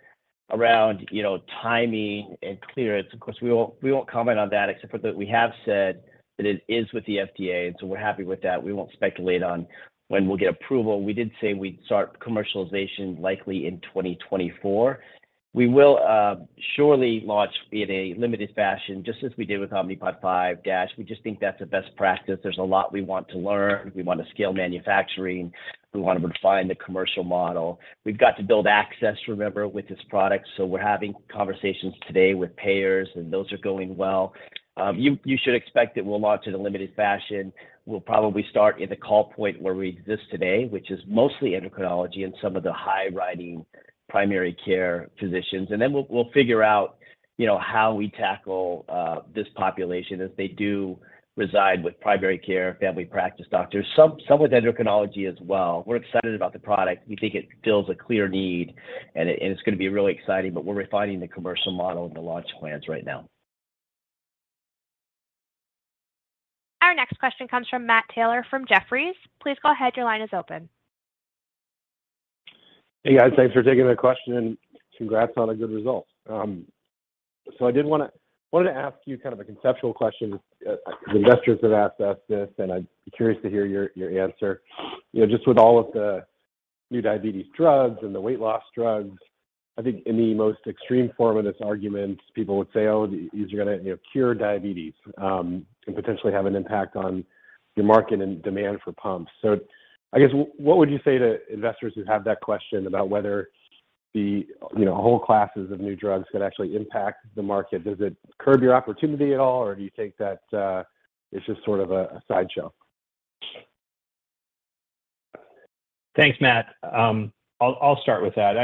[SPEAKER 6] around, you know, timing and clearance, of course we won't, we won't comment on that except for that we have said that it is with the FDA, we're happy with that. We won't speculate on when we'll get approval. We did say we'd start commercialization likely in 2024. We will surely launch in a limited fashion, just as we did with Omnipod 5 DASH. We just think that's a best practice. There's a lot we want to learn. We want to scale manufacturing. We want to refine the commercial model. We've got to build access, remember, with this product, so we're having conversations today with payers, those are going well. You should expect that we'll launch in a limited fashion. We'll probably start in the call point where we exist today, which is mostly endocrinology and some of the high writing primary care physicians. Then we'll figure out, you know, how we tackle this population as they do reside with primary care family practice doctors. Some with endocrinology as well. We're excited about the product. We think it fills a clear need, and it's gonna be really exciting, but we're refining the commercial model and the launch plans right now.
[SPEAKER 1] Our next question comes from Matt Taylor from Jefferies. Please go ahead. Your line is open.
[SPEAKER 10] Hey, guys. Thanks for taking my question, and congrats on a good result. I wanted to ask you kind of a conceptual question. Investors have asked us this, and I'd be curious to hear your answer. You know, just with all of the new diabetes drugs and the weight loss drugs, I think in the most extreme form of this argument, people would say, "Oh, these are gonna, you know, cure diabetes, and potentially have an impact on your market and demand for pumps." I guess, what would you say to investors who have that question about whether the, you know, whole classes of new drugs could actually impact the market? Does it curb your opportunity at all, or do you think that it's just sort of a sideshow?
[SPEAKER 3] Thanks, Matt. I'll start with that.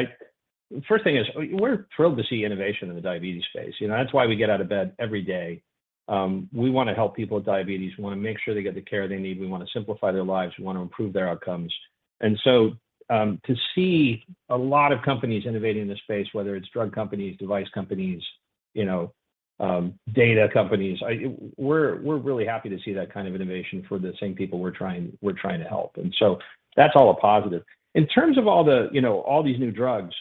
[SPEAKER 3] The first thing is we're thrilled to see innovation in the diabetes space. You know, that's why we get out of bed every day. We wanna help people with diabetes. We wanna make sure they get the care they need. We want to simplify their lives. We want to improve their outcomes. To see a lot of companies innovating in the space, whether it's drug companies, device companies, you know, data companies, We're really happy to see that kind of innovation for the same people we're trying to help. That's all a positive. In terms of all the, you know, all these new drugs,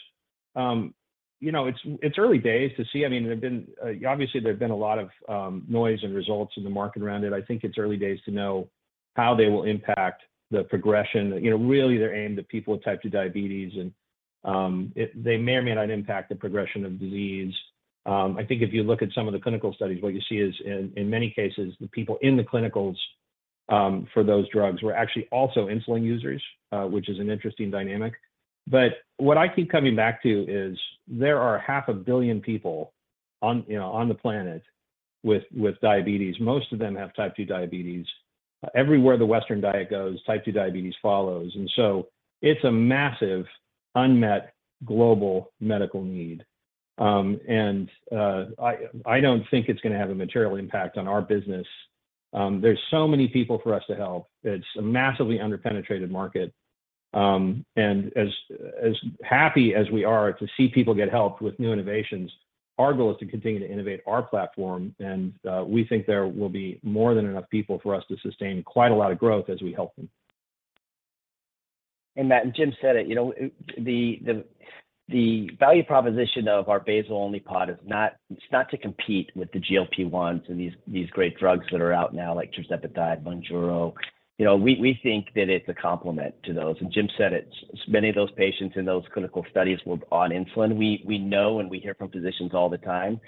[SPEAKER 3] you know, it's early days to see. I mean, obviously, there have been a lot of noise and results in the market around it. I think it's early days to know how they will impact the progression. You know, really, they're aimed at people with type 2 diabetes, and, they may or may not impact the progression of disease. I think if you look at some of the clinical studies, what you see is in many cases, the people in the clinicals, for those drugs were actually also insulin users, which is an interesting dynamic. But what I keep coming back to is there are half a billion people on, you know, on the planet with diabetes. Most of them have type 2 diabetes. Everywhere the Western diet goes, type 2 diabetes follows. It's a massive unmet global medical need. I don't think it's gonna have a material impact on our business. There's so many people for us to help. It's a massively under-penetrated market. As happy as we are to see people get help with new innovations, our goal is to continue to innovate our platform, and, we think there will be more than enough people for us to sustain quite a lot of growth as we help them.
[SPEAKER 6] Matt, Jim said it, you know, it, the value proposition of our basal-only pod is not, it's not to compete with the GLP-1s and these great drugs that are out now, like tirzepatide, Mounjaro. You know, we think that it's a complement to those. Jim said it. Many of those patients in those clinical studies were on insulin. We know and we hear from physicians all the time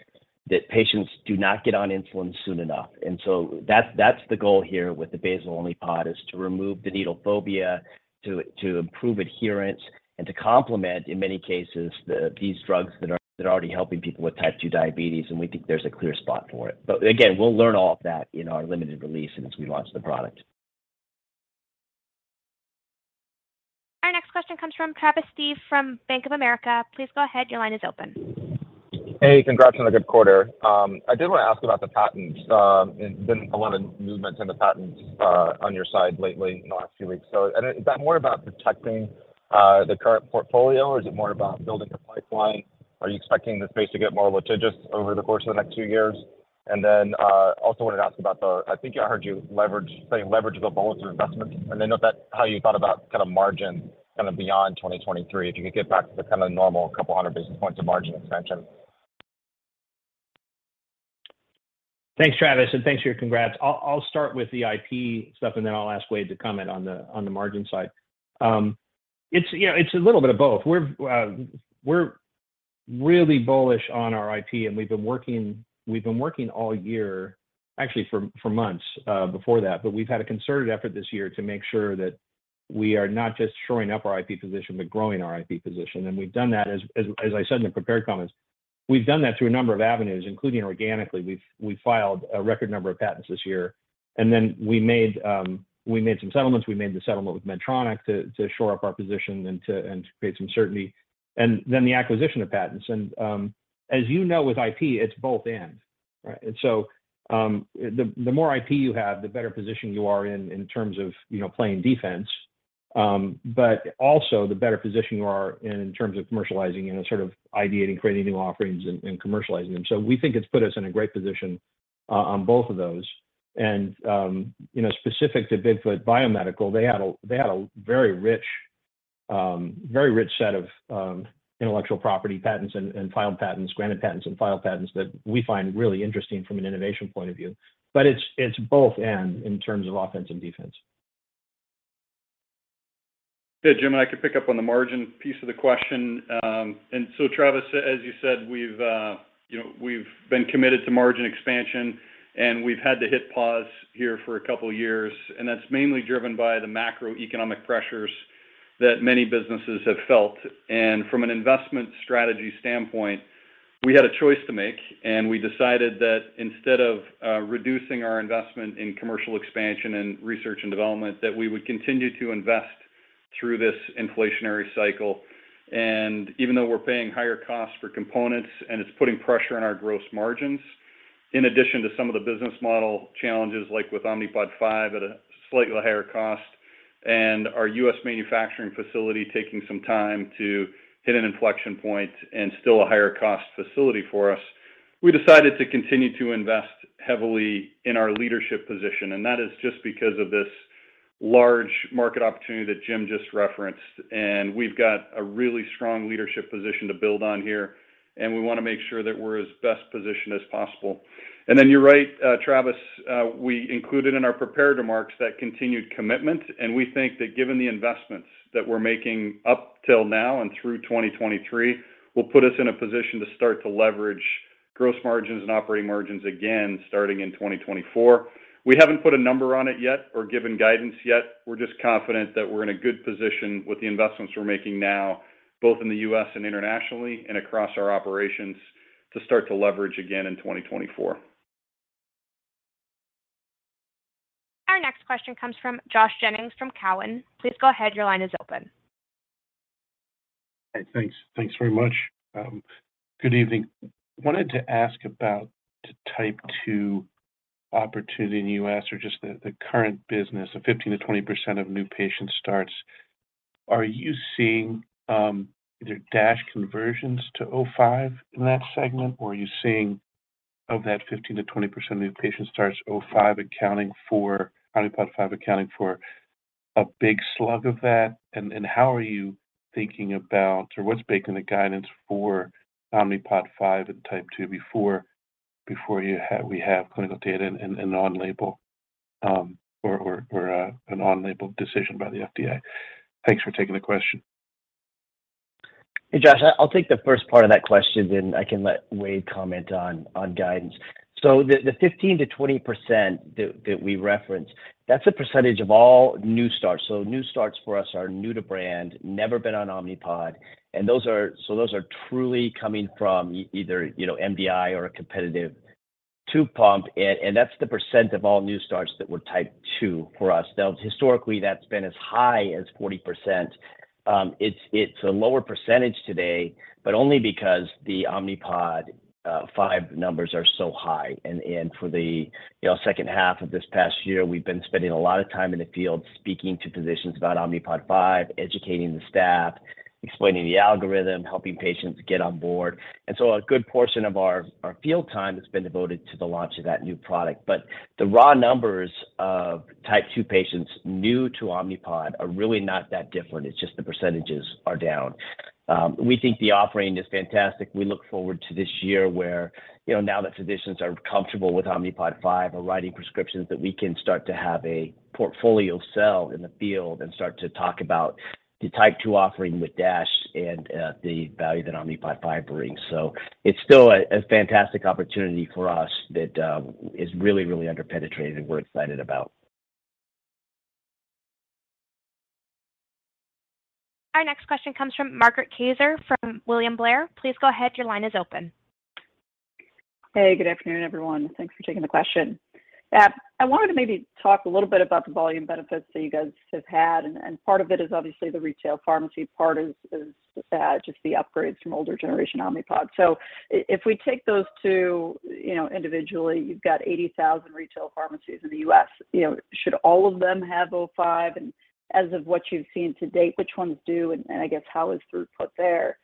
[SPEAKER 6] that patients do not get on insulin soon enough. That's the goal here with the basal-only pod is to remove the needle phobia, to improve adherence, and to complement, in many cases, these drugs that are already helping people with type 2 diabetes, and we think there's a clear spot for it. Again, we'll learn all of that in our limited release and as we launch the product.
[SPEAKER 1] Our next question comes from Travis Steed from Bank of America. Please go ahead. Your line is open.
[SPEAKER 11] Hey, congrats on a good quarter. I did wanna ask about the patents. There's been a lot of movement in the patents on your side lately in the last few weeks. Is that more about protecting the current portfolio, or is it more about building a pipeline? Are you expecting the space to get more litigious over the course of the next two years? Also wanted to ask about say leverage the bolster investments, and how you thought about kind of margin kind of beyond 2023, if you could get back to the kind of normal couple hundred basis points of margin expansion.
[SPEAKER 3] Thanks, Travis, and thanks for your congrats. I'll start with the IP stuff, and then I'll ask Wayde to comment on the margin side. It's, you know, it's a little bit of both. We're really bullish on our IP, and we've been working all year, actually for months before that. We've had a concerted effort this year to make sure that we are not just shoring up our IP position, but growing our IP position. We've done that as I said in the prepared comments. We've done that through a number of avenues, including organically. We filed a record number of patents this year, and then we made some settlements. We made the settlement with Medtronic to shore up our position and to create some certainty, then the acquisition of patents. As you know, with IP, it's both and. Right? The more IP you have, the better position you are in terms of, you know, playing defense. But also the better position you are in terms of commercializing, you know, sort of ideating, creating new offerings and commercializing them. We think it's put us in a great position on both of those. You know, specific to Bigfoot Biomedical, they had a very rich, very rich set of intellectual property patents and filed patents, granted patents and filed patents that we find really interesting from an innovation point of view. It's both and in terms of offense and defense.
[SPEAKER 4] Hey, Jim, I can pick up on the margin piece of the question. So Travis, as you said, we've, you know, we've been committed to margin expansion, and we've had to hit pause here for a couple of years, and that's mainly driven by the macroeconomic pressures that many businesses have felt. From an investment strategy standpoint, we had a choice to make, and we decided that instead of reducing our investment in commercial expansion and research and development, that we would continue to invest through this inflationary cycle. Even though we're paying higher costs for components and it's putting pressure on our gross margins, in addition to some of the business model challenges, like with Omnipod 5 at a slightly higher cost and our U.S. manufacturing facility taking some time to hit an inflection point and still a higher cost facility for us, we decided to continue to invest heavily in our leadership position. That is just because of this large market opportunity that Jim just referenced. We've got a really strong leadership position to build on here, and we want to make sure that we're as best positioned as possible. You're right, Travis, we included in our prepared remarks that continued commitment, and we think that given the investments that we're making up till now and through 2023, will put us in a position to start to leverage gross margins and operating margins again starting in 2024.
[SPEAKER 1] Our next question comes from Josh Jennings from Cowen. Please go ahead. Your line is open.
[SPEAKER 12] Hey, thanks. Thanks very much. Good evening. Wanted to ask about the type 2 opportunity in the U.S. or just the current business of 15% to 20% of new patient starts. Are you seeing either DASH conversions to Omnipod 5 in that segment, or are you seeing of that 15% to 20% new patient starts Omnipod 5 accounting for a big slug of that? How are you thinking about or what's baking the guidance for Omnipod 5 and type 2 before you have clinical data and on-label or an on-label decision by the FDA? Thanks for taking the question.
[SPEAKER 6] Hey, Josh. I'll take the first part of that question, then I can let Wayde comment on guidance. The 15%-20% that we referenced, that's a percentage of all new starts. New starts for us are new to brand, never been on Omnipod. Those are truly coming from either, you know, MDI or a competitive tube pump. That's the percent of all new starts that were type 2 for us. Historically, that's been as high as 40%. It's a lower percentage today, but only because the Omnipod 5 numbers are so high. For the, you know, second half of this past year, we've been spending a lot of time in the field speaking to physicians about Omnipod 5, educating the staff, explaining the algorithm, helping patients get on board. A good portion of our field time has been devoted to the launch of that new product. The raw numbers of type 2 patients new to Omnipod are really not that different. It's just the percentages are down. We think the offering is fantastic. We look forward to this year where, you know, now that physicians are comfortable with Omnipod 5 or writing prescriptions, that we can start to have a portfolio sell in the field and start to talk about the type 2 offering with DASH and the value that Omnipod 5 brings. It's still a fantastic opportunity for us that is really, really under-penetrated and we're excited about.
[SPEAKER 1] Our next question comes from Margaret Kaczor from William Blair. Please go ahead. Your line is open.
[SPEAKER 13] Hey, good afternoon, everyone. Thanks for taking the question. I wanted to maybe talk a little bit about the volume benefits that you guys have had, and part of it is obviously the retail pharmacy part is just the upgrades from older generation Omnipod. If we take those two, you know, individually, you've got 80,000 retail pharmacies in the U.S. You know, should all of them have O5? As of what you've seen to date, which ones do, and I guess how is throughput there?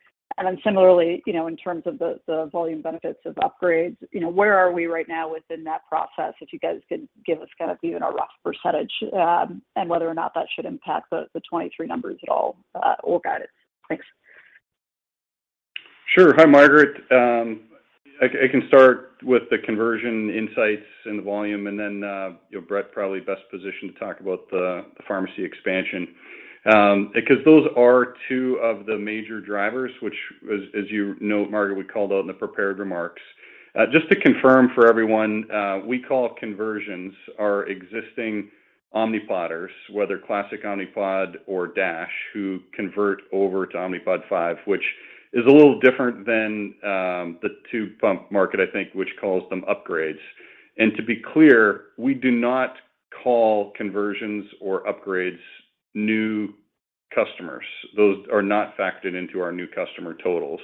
[SPEAKER 13] Similarly, you know, in terms of the volume benefits of upgrades, you know, where are we right now within that process? If you guys could give us kind of even a rough percentage, and whether or not that should impact the 23 numbers at all, or guidance. Thanks. Sure.
[SPEAKER 4] Hi, Margaret. I can start with the conversion insights and the volume and then, you know, Bret probably best positioned to talk about the pharmacy expansion, because those are two of the major drivers, which as you know, Margaret, we called out in the prepared remarks. Just to confirm for everyone, we call conversions our existing Omnipodders, whether Omnipod Classic or DASH, who convert over to Omnipod 5, which is a little different than the tube pump market, I think, which calls them upgrades. To be clear, we do not call conversions or upgrades new customers. Those are not factored into our new customer totals,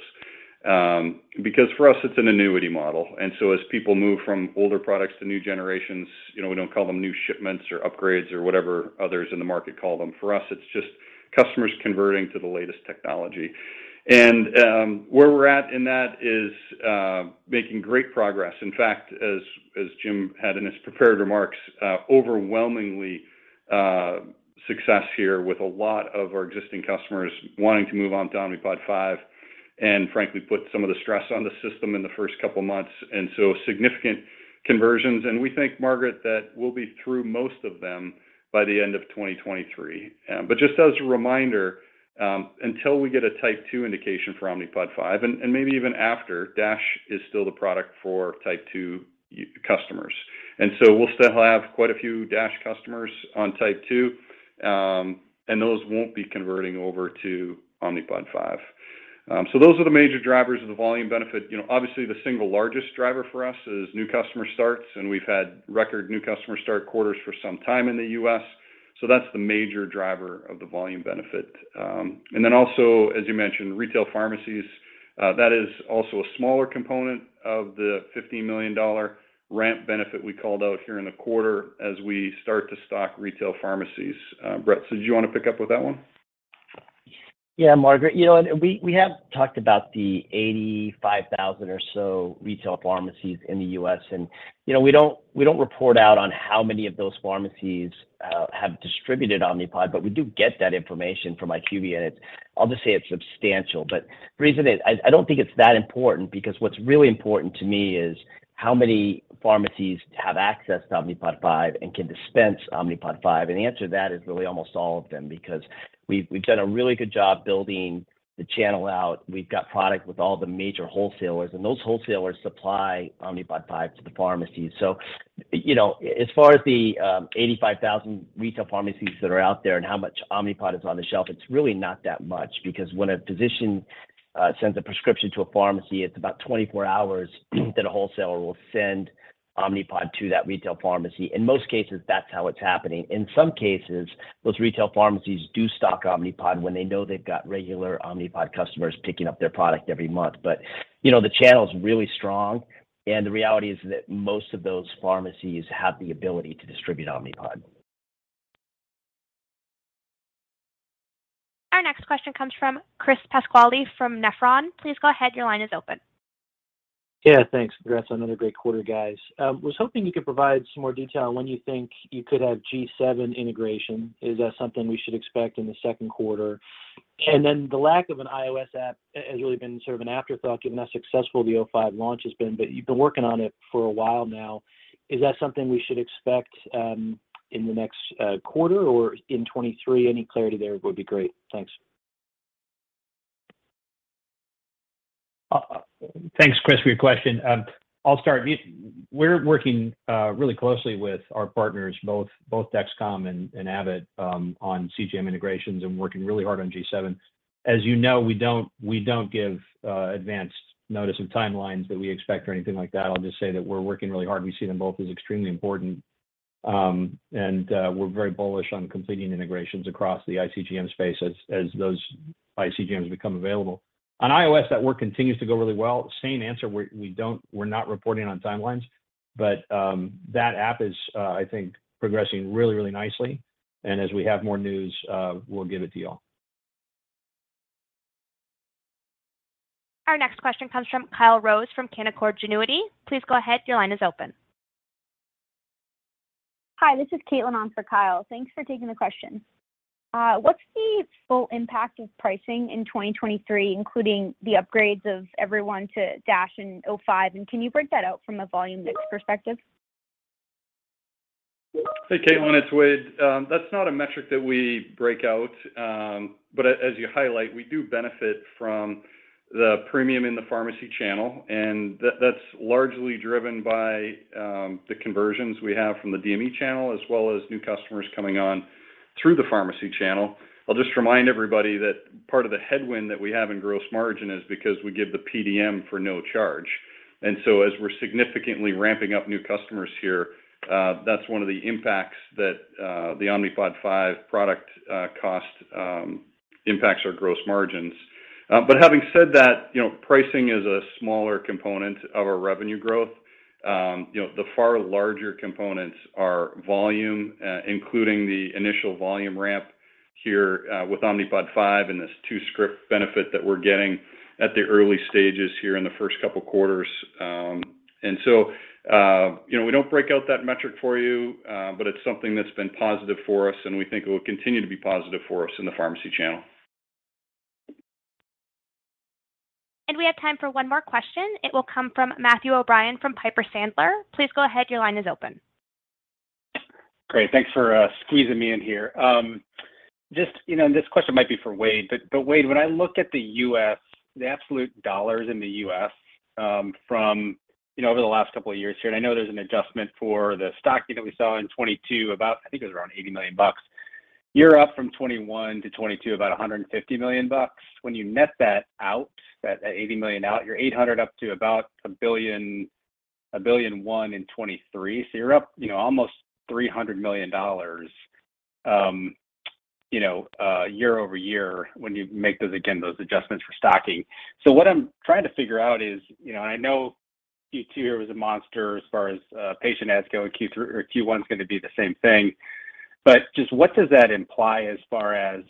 [SPEAKER 4] because for us, it's an annuity model. As people move from older products to new generations, you know, we don't call them new shipments or upgrades or whatever others in the market call them. For us, it's just customers converting to the latest technology. Where we're at in that is making great progress. In fact, as Jim had in his prepared remarks, overwhelmingly success here with a lot of our existing customers wanting to move on to Omnipod 5 and frankly, put some of the stress on the system in the first couple of months. A significant conversions. We think, Margaret, that we'll be through most of them by the end of 2023. Just as a reminder, until we get a type 2 indication for Omnipod 5 and maybe even after, DASH is still the product for type 2 customers. We'll still have quite a few Omnipod DASH customers on type 2, and those won't be converting over to Omnipod 5. Those are the major drivers of the volume benefit. You know, obviously the single largest driver for us is new customer starts, and we've had record new customer start quarters for some time in the U.S. That's the major driver of the volume benefit. Also as you mentioned, retail pharmacies, that is also a smaller component of the $50 million ramp benefit we called out here in the quarter as we start to stock retail pharmacies. Bret, do you wanna pick up with that one?
[SPEAKER 6] Yeah, Margaret, you know, we have talked about the 85,000 or so retail pharmacies in the U.S., you know, we don't report out on how many of those pharmacies have distributed Omnipod, but we do get that information from IQVIA, I'll just say it's substantial. The reason is I don't think it's that important because what's really important to me is how many pharmacies have access to Omnipod 5 and can dispense Omnipod 5. The answer to that is really almost all of them because we've done a really good job building the channel out. We've got product with all the major wholesalers. Those wholesalers supply Omnipod 5 to the pharmacies. You know, as far as the 85,000 retail pharmacies that are out there and how much Omnipod is on the shelf, it's really not that much because when a physician sends a prescription to a pharmacy, it's about 24 hours that a wholesaler will send Omnipod to that retail pharmacy. In most cases, that's how it's happening. In some cases, those retail pharmacies do stock Omnipod when they know they've got regular Omnipod customers picking up their product every month. You know, the channel's really strong, and the reality is that most of those pharmacies have the ability to distribute Omnipod.
[SPEAKER 1] Our next question comes from Chris Pasquale from Nephron. Please go ahead, your line is open.
[SPEAKER 14] Yeah, thanks. Congrats on another great quarter, guys. Was hoping you could provide some more detail on when you think you could have G7 integration. Is that something we should expect in the second quarter? The lack of an iOS app has really been sort of an afterthought given how successful the Omnipod 5 launch has been, but you've been working on it for a while now. Is that something we should expect in the next quarter or in 2023? Any clarity there would be great. Thanks.
[SPEAKER 4] Thanks, Chris, for your question. I'll start. We're working really closely with our partners, both Dexcom and Abbott, on CGM integrations and working really hard on G7. As you know, we don't give advance notice of timelines that we expect or anything like that. I'll just say that we're working really hard. We see them both as extremely important. And we're very bullish on completing integrations across the iCGM space as those iCGMs become available. On iOS, that work continues to go really well. Same answer, we're not reporting on timelines, but that app is I think progressing really, really nicely. As we have more news, we'll give it to you all.
[SPEAKER 1] Our next question comes from Kyle Rose from Canaccord Genuity. Please go ahead, your line is open.
[SPEAKER 15] Hi, this is Caitlin on for Kyle. Thanks for taking the question. What's the full impact of pricing in 2023, including the upgrades of everyone to DASH and O5, and can you break that out from a volume mix perspective?
[SPEAKER 4] Hey, Caitlin, it's Wayde. That's not a metric that we break out. As you highlight, we do benefit from the premium in the pharmacy channel, and that's largely driven by the conversions we have from the DME channel as well as new customers coming on through the pharmacy channel. I'll just remind everybody that part of the headwind that we have in gross margin is because we give the PDM for no charge. As we're significantly ramping up new customers here, that's one of the impacts that the Omnipod 5 product cost impacts our gross margins. Having said that, you know, pricing is a smaller component of our revenue growth. You know, the far larger components are volume, including the initial volume ramp here, with Omnipod 5 and this two script benefit that we're getting at the early stages here in the first couple quarters. You know, we don't break out that metric for you, but it's something that's been positive for us, and we think it will continue to be positive for us in the pharmacy channel.
[SPEAKER 1] We have time for one more question. It will come from Matthew O'Brien from Piper Sandler. Please go ahead, your line is open.
[SPEAKER 16] Great. Thanks for squeezing me in here. Just, you know, and this question might be for Wayde, but Wayde, when I look at the U.S., the absolute dollars in the U.S., from, you know, over the last couple of years here, and I know there's an adjustment for the stocking that we saw in 2022 about, I think it was around $80 million. You're up from 2021 to 2022 about $150 million. When you net that out, that $80 million out, you're $800 million up to about $1 billion, $1.1 billion in 2023. You're up, you know, almost $300 million, you know, year-over-year when you make those, again, those adjustments for stocking. What I'm trying to figure out is, you know, and I know Q2 here was a monster as far as patient adds go, and Q1's gonna be the same thing. Just what does that imply as far as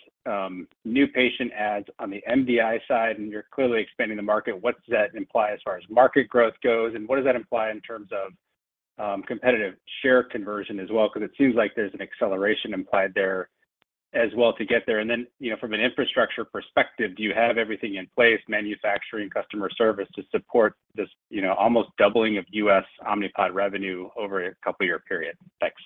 [SPEAKER 16] new patient adds on the MDI side, and you're clearly expanding the market? What does that imply as far as market growth goes, and what does that imply in terms of competitive share conversion as well? It seems like there's an acceleration implied there. As well to get there. Then, you know, from an infrastructure perspective, do you have everything in place, manufacturing, customer service, to support this, you know, almost doubling of U.S. Omnipod revenue over a couple-year period? Thanks.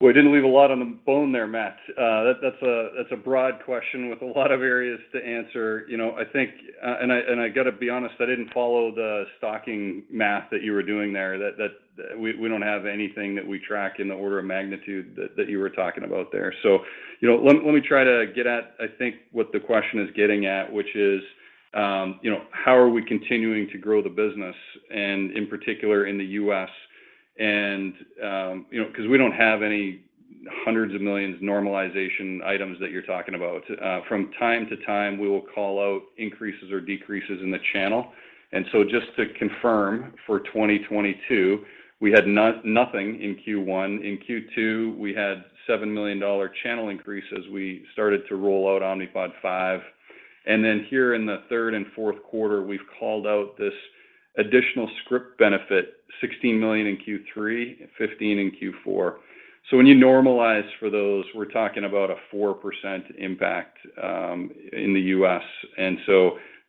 [SPEAKER 4] Well, you didn't leave a lot on the bone there, Matt. That's a broad question with a lot of areas to answer. You know, I think, and I gotta be honest, I didn't follow the stocking math that you were doing there. That we don't have anything that we track in the order of magnitude that you were talking about there. You know, let me try to get at, I think, what the question is getting at, which is, you know, how are we continuing to grow the business and in particular in the U.S.? You know, 'cause we don't have any hundreds of millions normalization items that you're talking about. From time to time, we will call out increases or decreases in the channel. Just to confirm, for 2022, we had nothing in Q1. In Q2, we had a $7 million channel increase as we started to roll out Omnipod 5. Here in the third and fourth quarter, we've called out this additional script benefit, $16 million in Q3, $15 million in Q4. When you normalize for those, we're talking about a 4% impact in the U.S.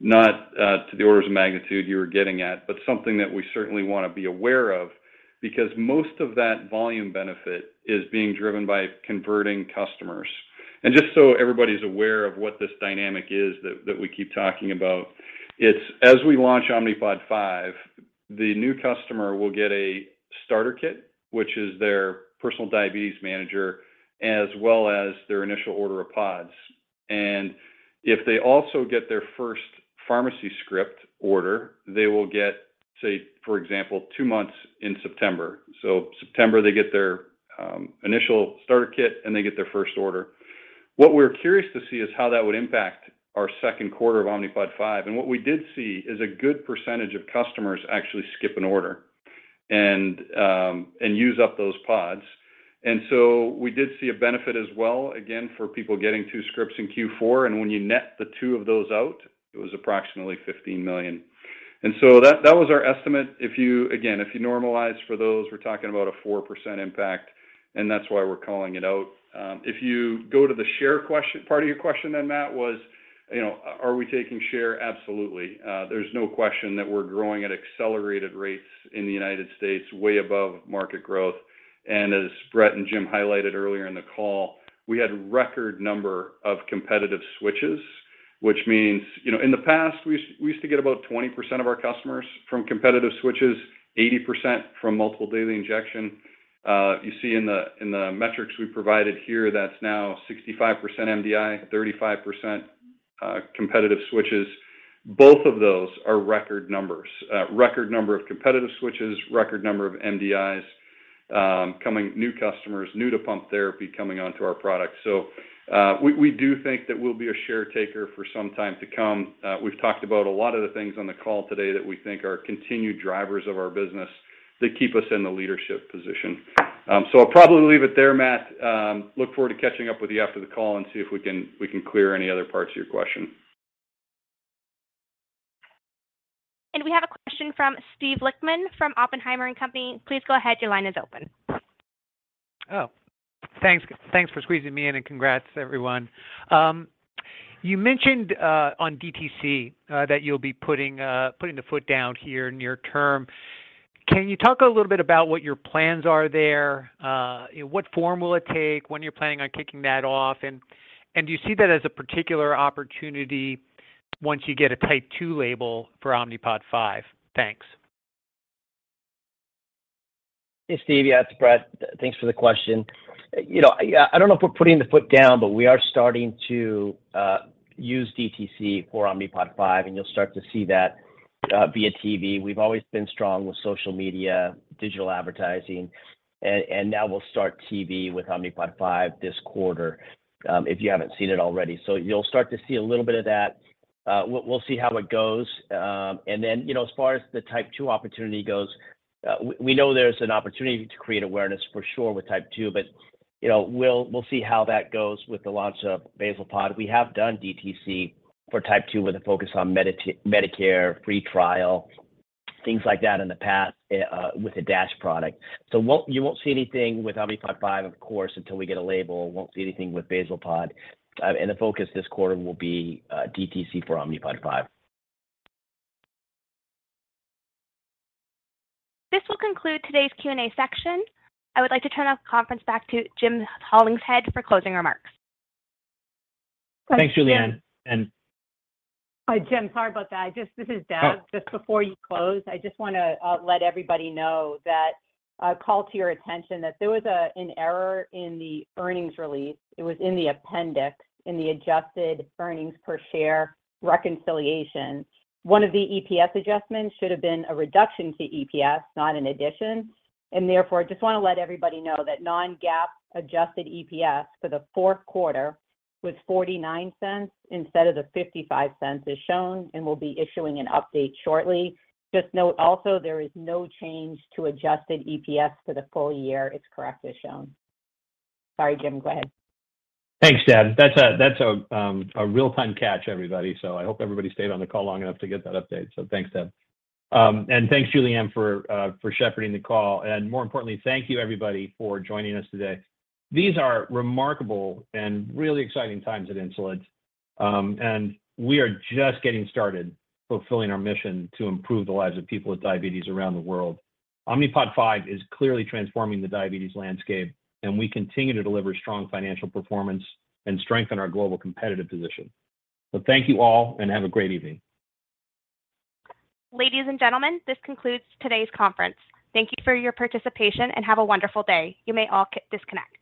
[SPEAKER 4] Not to the orders of magnitude you were getting at, but something that we certainly wanna be aware of because most of that volume benefit is being driven by converting customers. Just so everybody's aware of what this dynamic is that we keep talking about. It's as we launch Omnipod 5, the new customer will get a starter kit, which is their personal diabetes manager, as well as their initial order of pods. If they also get their first pharmacy script order, they will get, say for example, two months in September. September, they get their initial starter kit, and they get their first order. What we're curious to see is how that would impact our second quarter of Omnipod 5. What we did see is a good percentage of customers actually skip an order and use up those pods. We did see a benefit as well, again, for people getting two scripts in Q4. When you net the two of those out, it was approximately $15 million. That was our estimate. If you, again, if you normalize for those, we're talking about a 4% impact, and that's why we're calling it out. If you go to the part of your question then, Matt, was, you know, are we taking share? Absolutely. There's no question that we're growing at accelerated rates in the United States, way above market growth. As Bret and Jim highlighted earlier in the call, we had record number of competitive switches, which means... You know, in the past, we used to get about 20% of our customers from competitive switches, 80% from multiple daily injection. You see in the metrics we provided here, that's now 65% MDI, 35% competitive switches. Both of those are record numbers. Record number of competitive switches, record number of MDIs, new customers, new to pump therapy coming onto our product. We, we do think that we'll be a share taker for some time to come. We've talked about a lot of the things on the call today that we think are continued drivers of our business that keep us in the leadership position. I'll probably leave it there, Matt. Look forward to catching up with you after the call and see if we can, we can clear any other parts of your question.
[SPEAKER 1] We have a question from Steve Lichtman from Oppenheimer and Company. Please go ahead, your line is open.
[SPEAKER 17] Oh, thanks. Thanks for squeezing me in, and congrats everyone. You mentioned on DTC that you'll be putting the foot down here near term. Can you talk a little bit about what your plans are there? What form will it take? When you're planning on kicking that off? Do you see that as a particular opportunity once you get a type 2 label for Omnipod 5? Thanks.
[SPEAKER 6] Hey, Steve, yeah, it's Bret. Thanks for the question. You know, I don't know if we're putting the foot down, but we are starting to use DTC for Omnipod 5, and you'll start to see that via TV. We've always been strong with social media, digital advertising. And now we'll start TV with Omnipod 5 this quarter, if you haven't seen it already. You'll start to see a little bit of that. We'll see how it goes. You know, as far as the type 2 opportunity goes, we know there's an opportunity to create awareness for sure with type 2. You know, we'll see how that goes with the launch of Basal Pod. We have done DTC for type 2 with a focus on Medicare, free trial, things like that in the past, with the Dash product. You won't see anything with Omnipod 5, of course, until we get a label. Won't see anything with Basal Pod. The focus this quarter will be, DTC for Omnipod 5.
[SPEAKER 1] This will conclude today's Q&A section. I would like to turn off the conference back to Jim Hollingshead for closing remarks.
[SPEAKER 3] Thanks, Julian.
[SPEAKER 2] Hi, Jim. Sorry about that. This is Deb.
[SPEAKER 3] Oh.
[SPEAKER 2] Just before you close, I just wanna let everybody know that call to your attention that there was an error in the earnings release. It was in the appendix, in the adjusted EPS reconciliation. One of the EPS adjustments should have been a reduction to EPS, not an addition. Therefore, I just wanna let everybody know that non-GAAP adjusted EPS for the fourth quarter was $0.49 instead of the $0.55 as shown, and we'll be issuing an update shortly. Just note also, there is no change to adjusted EPS for the full year. It's correct as shown. Sorry, Jim. Go ahead.
[SPEAKER 3] Thanks, Deb. That's a real-time catch, everybody. I hope everybody stayed on the call long enough to get that update. Thanks, Deb. Thanks Julianne for shepherding the call. More importantly, thank you everybody for joining us today. These are remarkable and really exciting times at Insulet. We are just getting started fulfilling our mission to improve the lives of people with diabetes around the world. Omnipod 5 is clearly transforming the diabetes landscape, and we continue to deliver strong financial performance and strengthen our global competitive position. Thank you all, and have a great evening.
[SPEAKER 1] Ladies and gentlemen, this concludes today's conference. Thank you for your participation, and have a wonderful day. You may all disconnect.